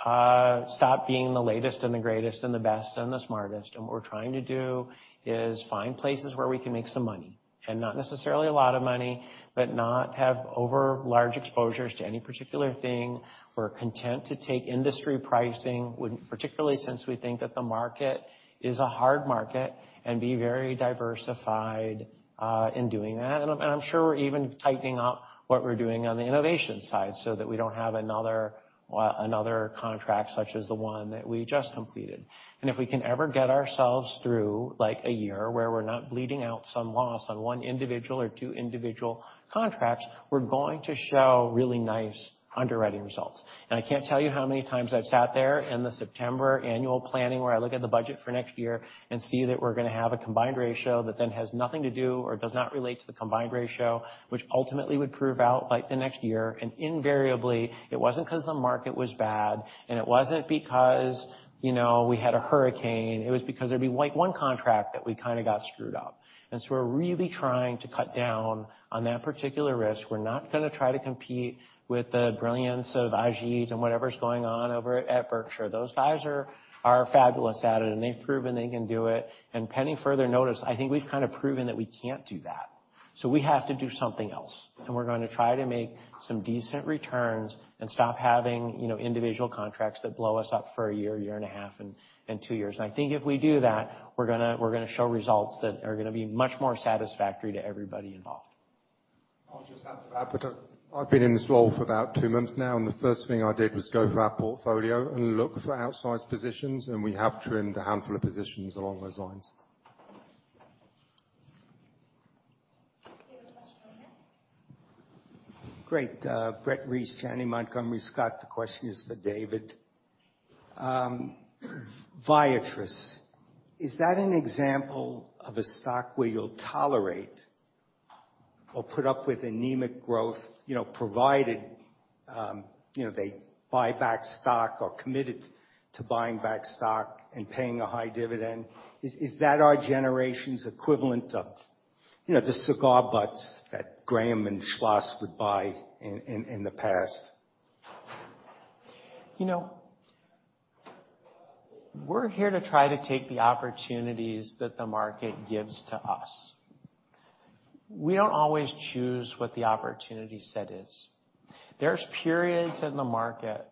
stop being the latest and the greatest and the best and the smartest. What we're trying to do is find places where we can make some money and not necessarily a lot of money, but not have over-large exposures to any particular thing. We're content to take industry pricing, particularly since we think that the market is a hard market and be very diversified in doing that. I'm sure we're even tightening up what we're doing on the innovation side so that we don't have another contract such as the one that we just completed. If we can ever get ourselves through a year where we're not bleeding out some loss on one individual or two individual contracts, we're going to show really nice underwriting results. I can't tell you how many times I've sat there in the September annual planning where I look at the budget for next year and see that we're going to have a combined ratio that then has nothing to do or does not relate to the combined ratio, which ultimately would prove out by the next year. And invariably, it wasn't because the market was bad, and it wasn't because we had a hurricane. It was because there'd be one contract that we kind of got screwed up. And so we're really trying to cut down on that particular risk. We're not going to try to compete with the brilliance of AIG and whatever's going on over at Berkshire. Those guys are fabulous at it, and they've proven they can do it. And pending further notice, I think we've kind of proven that we can't do that. So we have to do something else. And we're going to try to make some decent returns and stop having individual contracts that blow us up for a year, year and a half, and two years. And I think if we do that, we're going to show results that are going to be much more satisfactory to everybody involved. I'll just add to that. I've been in this role for about two months now, and the first thing I did was go through our portfolio and look for outsized positions. And we have trimmed a handful of positions along those lines. You have a question over there? Great. Brett Reiss, Janney Montgomery Scott, the question is for David. Viatris, is that an example of a stock where you'll tolerate or put up with anemic growth provided they buy back stock or committed to buying back stock and paying a high dividend? Is that our generation's equivalent of the cigar butts that Graham and Schloss would buy in the past? We're here to try to take the opportunities that the market gives to us. We don't always choose what the opportunity set is. There's periods in the market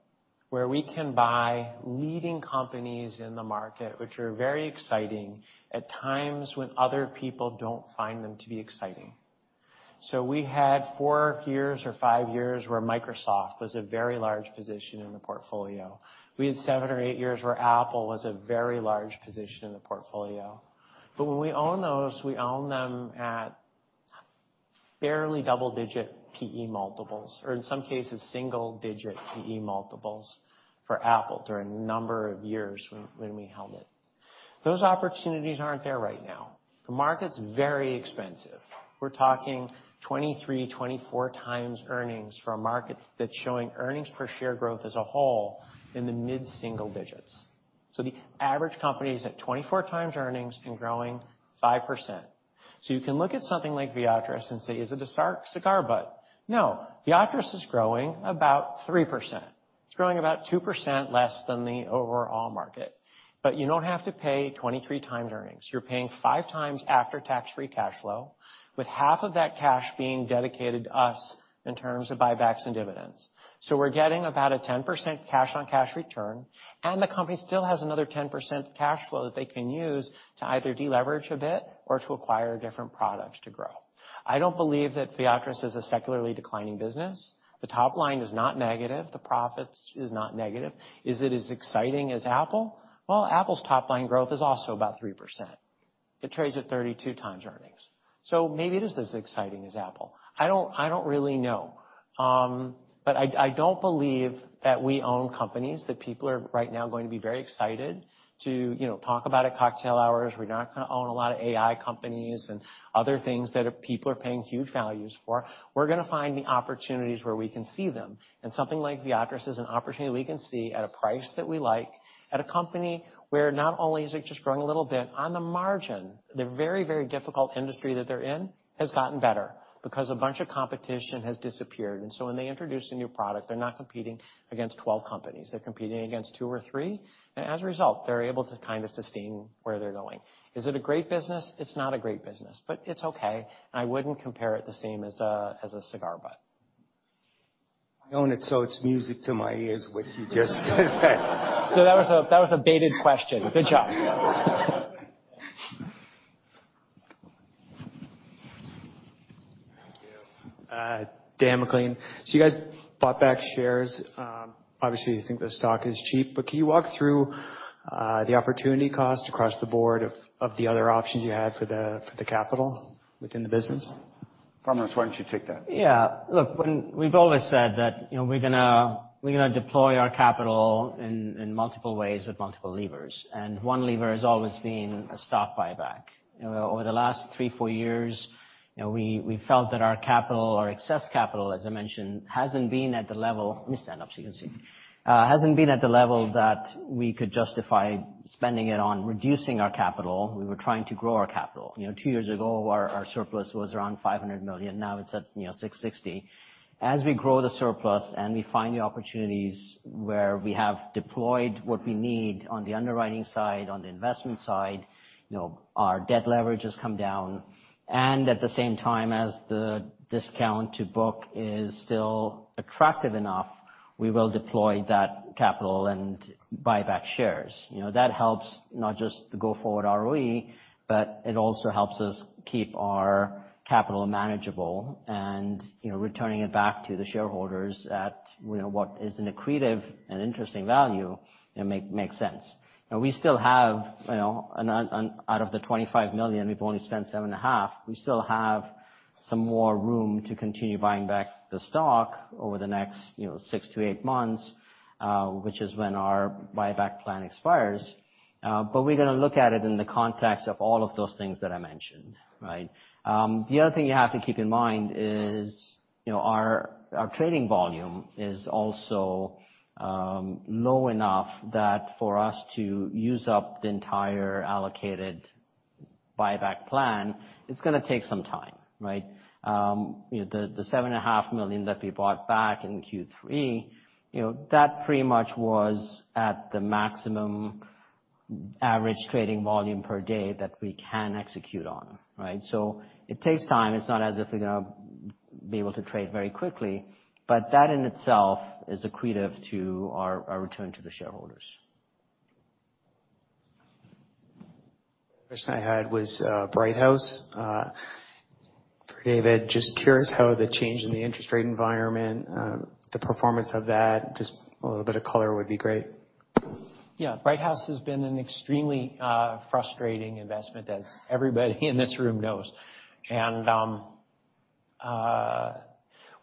where we can buy leading companies in the market, which are very exciting at times when other people don't find them to be exciting. So we had four years or five years where Microsoft was a very large position in the portfolio. We had seven or eight years where Apple was a very large position in the portfolio. But when we own those, we own them at barely double-digit PE multiples, or in some cases, single-digit PE multiples for Apple during a number of years when we held it. Those opportunities aren't there right now. The market's very expensive. We're talking 23-24 times earnings for a market that's showing earnings per share growth as a whole in the mid-single digits. So the average company is at 24 times earnings and growing 5%. So you can look at something like Viatris and say, "Is it a cigar butt?" No. Viatris is growing about 3%. It's growing about 2% less than the overall market. But you don't have to pay 23 times earnings. You're paying five times after-tax-free cash flow, with half of that cash being dedicated to us in terms of buybacks and dividends. So we're getting about a 10% cash-on-cash return, and the company still has another 10% cash flow that they can use to either deleverage a bit or to acquire different products to grow. I don't believe that Viatris is a secularly declining business. The top line is not negative. The profits is not negative. Is it as exciting as Apple? Well, Apple's top-line growth is also about 3%. It trades at 32 times earnings. So maybe it is as exciting as Apple. I don't really know. But I don't believe that we own companies that people are right now going to be very excited to talk about at cocktail hours. We're not going to own a lot of AI companies and other things that people are paying huge values for. We're going to find the opportunities where we can see them. Something like Viatris is an opportunity we can see at a price that we like at a company where not only is it just growing a little bit, on the margin, the very, very difficult industry that they're in has gotten better because a bunch of competition has disappeared. So when they introduce a new product, they're not competing against 12 companies. They're competing against two or three. As a result, they're able to kind of sustain where they're going. Is it a great business? It's not a great business, but it's okay. I wouldn't compare it the same as a cigar butt. I own it, so it's music to my ears what you just said. That was a baited question. Good job. Thank you. Dan McLean. You guys bought back shares. Obviously, you think the stock is cheap, but can you walk through the opportunity cost across the board of the other options you had for the capital within the business? Faramarz, why don't you take that? Yeah. Look, we've always said that we're going to deploy our capital in multiple ways with multiple levers. And one lever has always been a stock buyback. Over the last three, four years, we felt that our capital, our excess capital, as I mentioned, hasn't been at the level let me stand up so you can see it hasn't been at the level that we could justify spending it on reducing our capital. We were trying to grow our capital. Two years ago, our surplus was around $500 million. Now it's at $660 million. As we grow the surplus and we find the opportunities where we have deployed what we need on the underwriting side, on the investment side, our debt leverage has come down. And at the same time, as the discount to book is still attractive enough, we will deploy that capital and buy back shares. That helps not just the go-forward ROE, but it also helps us keep our capital manageable and returning it back to the shareholders at what is an accretive and interesting value and makes sense. We still have out of the $25 million, we've only spent $7.5 million. We still have some more room to continue buying back the stock over the next six to eight months, which is when our buyback plan expires. But we're going to look at it in the context of all of those things that I mentioned, right? The other thing you have to keep in mind is our trading volume is also low enough that for us to use up the entire allocated buyback plan, it's going to take some time, right? The 7.5 million that we bought back in Q3, that pretty much was at the maximum average trading volume per day that we can execute on, right? So it takes time. It's not as if we're going to be able to trade very quickly, but that in itself is accretive to our return to the shareholders. The next question I had was Brighthouse. For David, just curious how the change in the interest rate environment, the performance of that, just a little bit of color would be great. Yeah. Brighthouse has been an extremely frustrating investment, as everybody in this room knows. And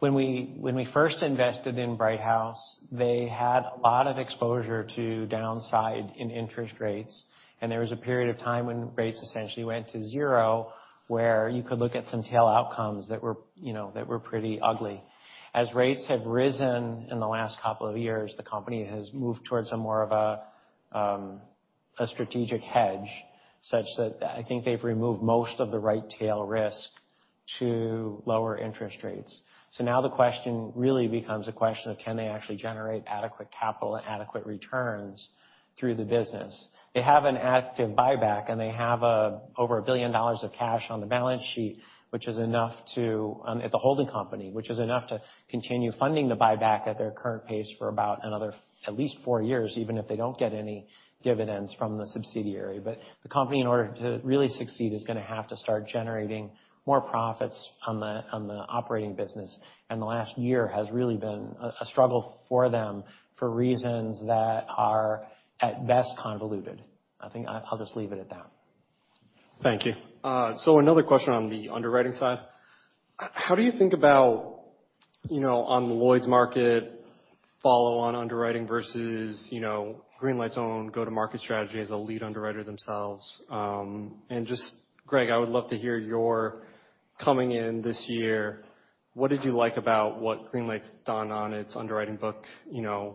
when we first invested in Brighthouse, they had a lot of exposure to downside in interest rates. And there was a period of time when rates essentially went to zero where you could look at some tail outcomes that were pretty ugly. As rates have risen in the last couple of years, the company has moved towards more of a strategic hedge such that I think they've removed most of the right tail risk to lower interest rates. So now the question really becomes a question of can they actually generate adequate capital and adequate returns through the business. They have an active buyback, and they have over $1 billion of cash on the balance sheet, which is enough to at the holding company, which is enough to continue funding the buyback at their current pace for about another at least four years, even if they don't get any dividends from the subsidiary. But the company, in order to really succeed, is going to have to start generating more profits on the operating business. The last year has really been a struggle for them for reasons that are at best convoluted. I think I'll just leave it at that. Thank you. Another question on the underwriting side. How do you think about, on Lloyd's market, follow-on underwriting versus Greenlight's own go-to-market strategy as a lead underwriter themselves? And just, Greg, I would love to hear your comments in this year. What did you like about what Greenlight's done on its underwriting book?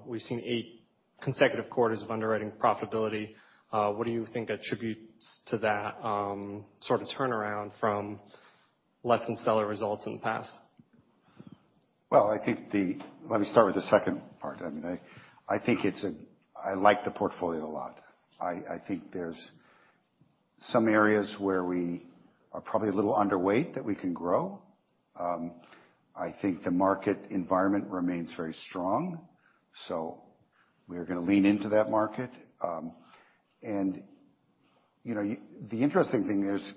We've seen eight consecutive quarters of underwriting profitability. What do you think attributes to that sort of turnaround from less than stellar results in the past? Well, I think. Let me start with the second part. I mean, I think it's. I like the portfolio a lot. I think there's some areas where we are probably a little underweight that we can grow. I think the market environment remains very strong. So we're going to lean into that market. And the interesting thing is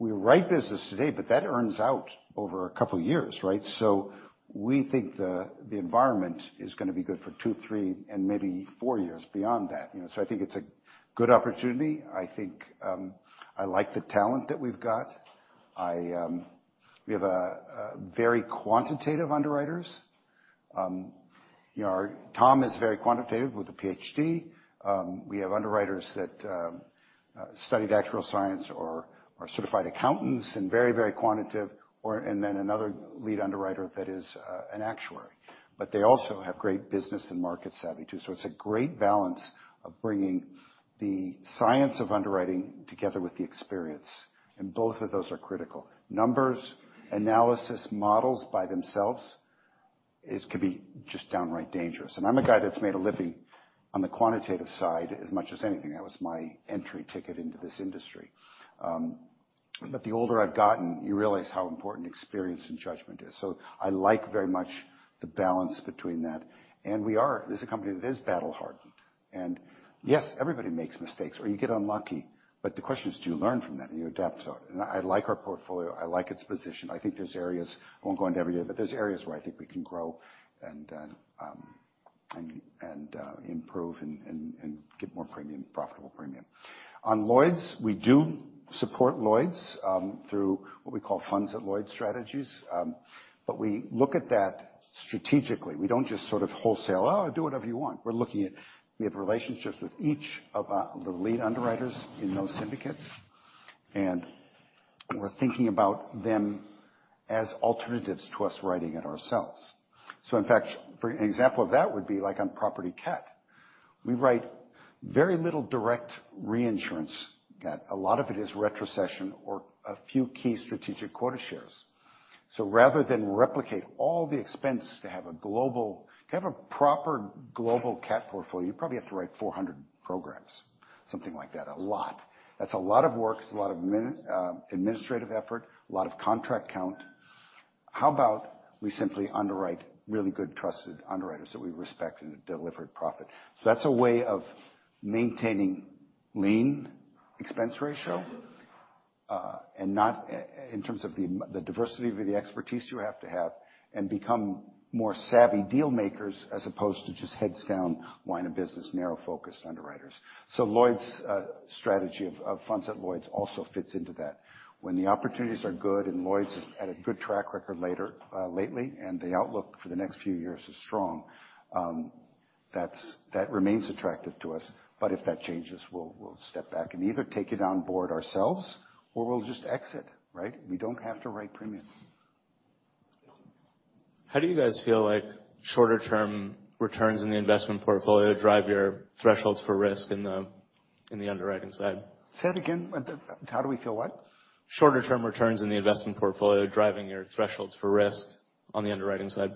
we're writing business today, but that earns out over a couple of years, right? So we think the environment is going to be good for two, three, and maybe four years beyond that. So I think it's a good opportunity. I think I like the talent that we've got. We have very quantitative underwriters. Tom is very quantitative with a PhD. We have underwriters that studied actuarial science or are certified accountants and very, very quantitative, and then another lead underwriter that is an actuary, but they also have great business and market savvy too, so it's a great balance of bringing the science of underwriting together with the experience, and both of those are critical. Numbers, analysis models by themselves could be just downright dangerous, and I'm a guy that's made a living on the quantitative side as much as anything. That was my entry ticket into this industry, but the older I've gotten, you realize how important experience and judgment is, so I like very much the balance between that, and this is a company that is battle-hardened, and yes, everybody makes mistakes or you get unlucky. But the question is, do you learn from that and you adapt to it? And I like our portfolio. I like its position. I think there's areas I won't go into every day, but there's areas where I think we can grow and improve and get more premium, profitable premium. On Lloyd's, we do support Lloyd's through what we call funds at Lloyd's strategies. But we look at that strategically. We don't just sort of wholesale, "Oh, do whatever you want." We're looking at we have relationships with each of the lead underwriters in those syndicates. And we're thinking about them as alternatives to us writing it ourselves. So in fact, an example of that would be like on Property Cat. We write very little direct reinsurance cat. A lot of it is retrocession or a few key strategic quota shares. So rather than replicate all the expense to have a proper global CAT portfolio, you probably have to write 400 programs, something like that, a lot. That's a lot of work. It's a lot of administrative effort, a lot of contract count. How about we simply underwrite really good, trusted underwriters that we respect and deliver profit? That's a way of maintaining lean expense ratio and not in terms of the diversity of the expertise you have to have and become more savvy dealmakers as opposed to just heads down, line of business, narrow-focused underwriters. Lloyd's strategy of Funds at Lloyd's also fits into that. When the opportunities are good and Lloyd's has a good track record lately and the outlook for the next few years is strong, that remains attractive to us. But if that changes, we'll step back and either take it on board ourselves or we'll just exit, right? We don't have to write premium. How do you guys feel like shorter-term returns in the investment portfolio drive your thresholds for risk in the underwriting side? Say that again. How do we feel what? Shorter-term returns in the investment portfolio driving your thresholds for risk on the underwriting side?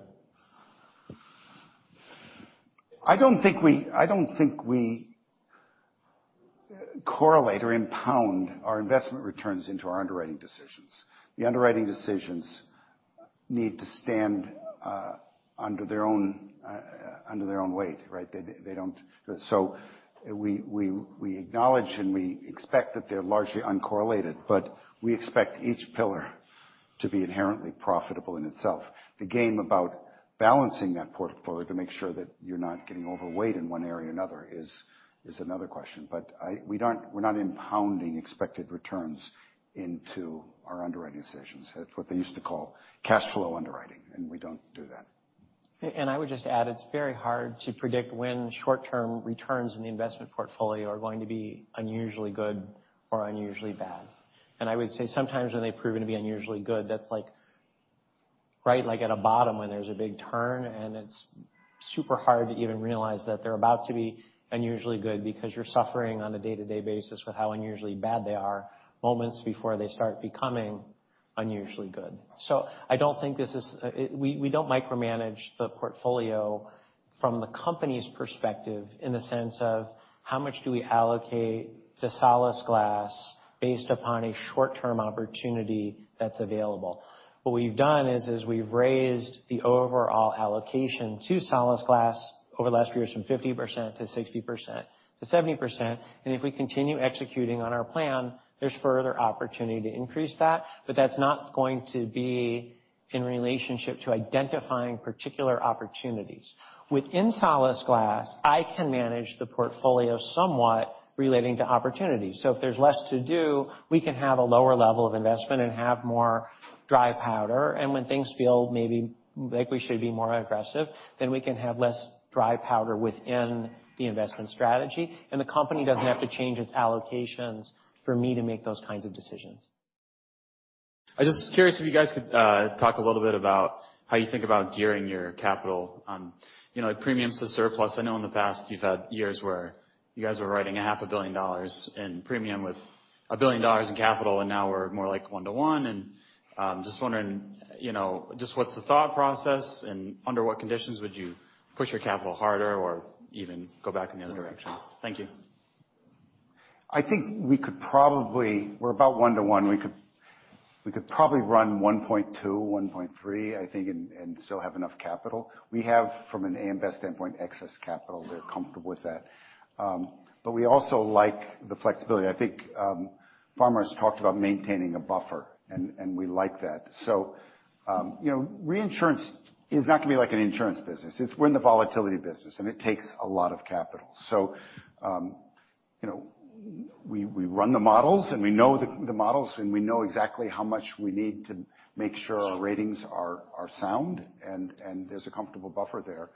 I don't think we correlate or impound our investment returns into our underwriting decisions. The underwriting decisions need to stand under their own weight, right? They don't, so we acknowledge and we expect that they're largely uncorrelated, but we expect each pillar to be inherently profitable in itself. The game about balancing that portfolio to make sure that you're not getting overweight in one area or another is another question. But we're not impounding expected returns into our underwriting decisions. That's what they used to call cash flow underwriting, and we don't do that. I would just add it's very hard to predict when short-term returns in the investment portfolio are going to be unusually good or unusually bad. I would say sometimes when they prove to be unusually good, that's right at a bottom when there's a big turn, and it's super hard to even realize that they're about to be unusually good because you're suffering on a day-to-day basis with how unusually bad they are moments before they start becoming unusually good. So I don't think this is. We don't micromanage the portfolio from the company's perspective in the sense of how much do we allocate to Solas Glas based upon a short-term opportunity that's available. What we've done is we've raised the overall allocation to Solas Glas over the last few years from 50% to 60% to 70%. And if we continue executing on our plan, there's further opportunity to increase that. But that's not going to be in relationship to identifying particular opportunities. Within Solas Glas, I can manage the portfolio somewhat relating to opportunities. So if there's less to do, we can have a lower level of investment and have more dry powder. And when things feel maybe like we should be more aggressive, then we can have less dry powder within the investment strategy. And the company doesn't have to change its allocations for me to make those kinds of decisions. I'm just curious if you guys could talk a little bit about how you think about gearing your capital on premiums to surplus? I know in the past you've had years where you guys were writing $500 million in premium with $1 billion in capital, and now we're more like one-to-one, and just wondering just what's the thought process and under what conditions would you push your capital harder or even go back in the other direction? Thank you. I think we're about one-to-one. We could probably run 1.2, 1.3, I think, and still have enough capital. We have, from an AM Best standpoint, excess capital. We're comfortable with that. But we also like the flexibility. I think Farmers talked about maintaining a buffer, and we like that. So reinsurance is not going to be like an insurance business. We're in the volatility business, and it takes a lot of capital. So we run the models, and we know the models, and we know exactly how much we need to make sure our ratings are sound, and there's a comfortable buffer there.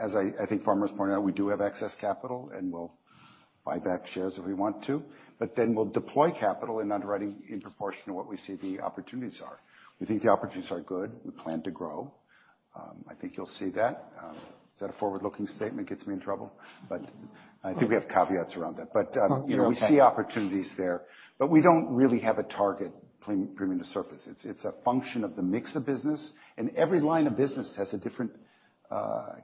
As I think Farmers pointed out, we do have excess capital, and we'll buy back shares if we want to. But then we'll deploy capital in underwriting in proportion to what we see the opportunities are. We think the opportunities are good. We plan to grow. I think you'll see that. Is that a forward-looking statement? It gets me in trouble. But I think we have caveats around that. But we see opportunities there. But we don't really have a target premium to surplus. It's a function of the mix of business. And every line of business has a different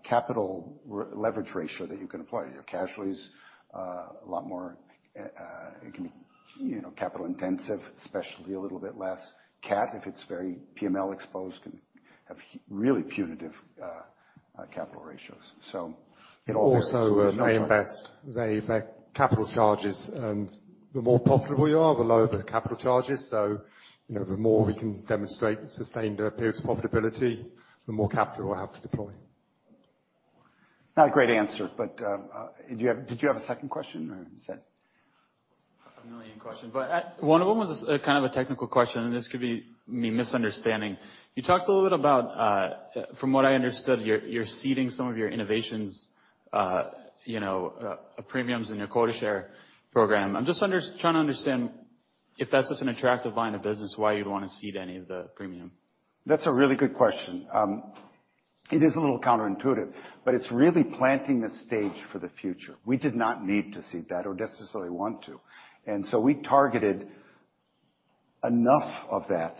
capital leverage ratio that you can apply. Your cash flow is a lot more. It can be capital-intensive, especially a little bit less cat. If it's very PML exposed, it can have really punitive capital ratios. So it all depends on the capital charges. The more profitable you are, the lower the capital charges. So the more we can demonstrate sustained periods of profitability, the more capital we'll have to deploy. Not a great answer, but did you have a second question or is that a million questions? But one of them was kind of a technical question, and this could be me misunderstanding. You talked a little bit about, from what I understood, you're ceding some of your innovation premiums in your quota share program. I'm just trying to understand if that's such an attractive line of business, why you'd want to cede any of the premium. That's a really good question. It is a little counterintuitive, but it's really setting the stage for the future. We did not need to seed that or necessarily want to. And so we targeted enough of that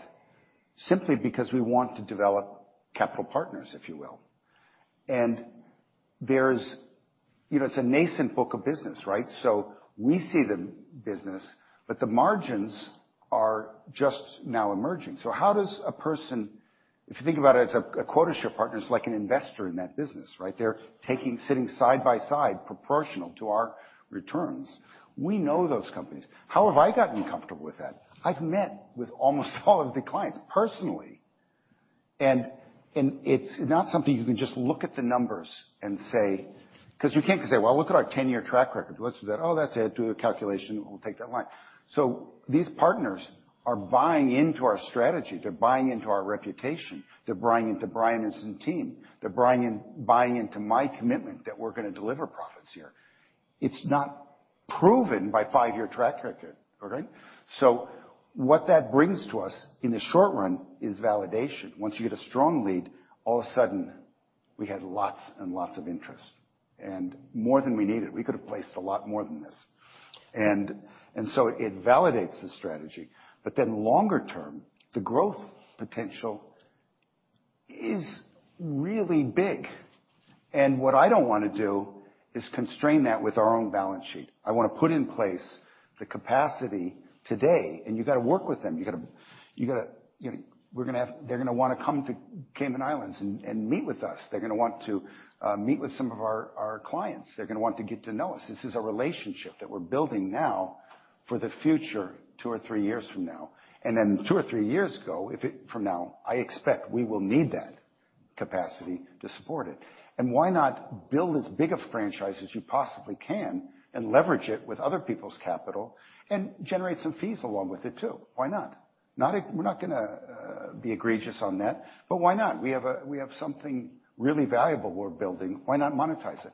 simply because we want to develop capital partners, if you will. And it's a nascent book of business, right? So we see the business, but the margins are just now emerging. So how does a person, if you think about it as a quota share partner, it's like an investor in that business, right? They're sitting side by side proportional to our returns. We know those companies. How have I gotten comfortable with that? I've met with almost all of the clients personally. And it's not something you can just look at the numbers and say because you can't say, "Well, look at our 10-year track record." Let's do that. Oh, that's it. Do a calculation. We'll take that line. So these partners are buying into our strategy. They're buying into our reputation. They're buying into Brian and his team. They're buying into my commitment that we're going to deliver profits here. It's not proven by five-year track record, okay? So what that brings to us in the short run is validation. Once you get a strong lead, all of a sudden, we had lots and lots of interest and more than we needed. We could have placed a lot more than this. And so it validates the strategy. But then longer term, the growth potential is really big. And what I don't want to do is constrain that with our own balance sheet. I want to put in place the capacity today, and you got to work with them. You got to we're going to have they're going to want to come to Cayman Islands and meet with us. They're going to want to meet with some of our clients. They're going to want to get to know us. This is a relationship that we're building now for the future two or three years from now. And then two or three years ago, from now, I expect we will need that capacity to support it. And why not build as big a franchise as you possibly can and leverage it with other people's capital and generate some fees along with it too? Why not? We're not going to be egregious on that, but why not? We have something really valuable we're building. Why not monetize it?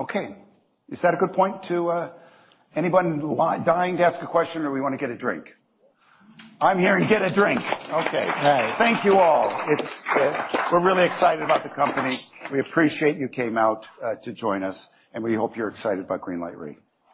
Okay. Is that a good point to anybody dying to ask a question or we want to get a drink? I'm here to get a drink. Okay. Thank you all. We're really excited about the company. We appreciate you came out to join us, and we hope you're excited about Greenlight Re.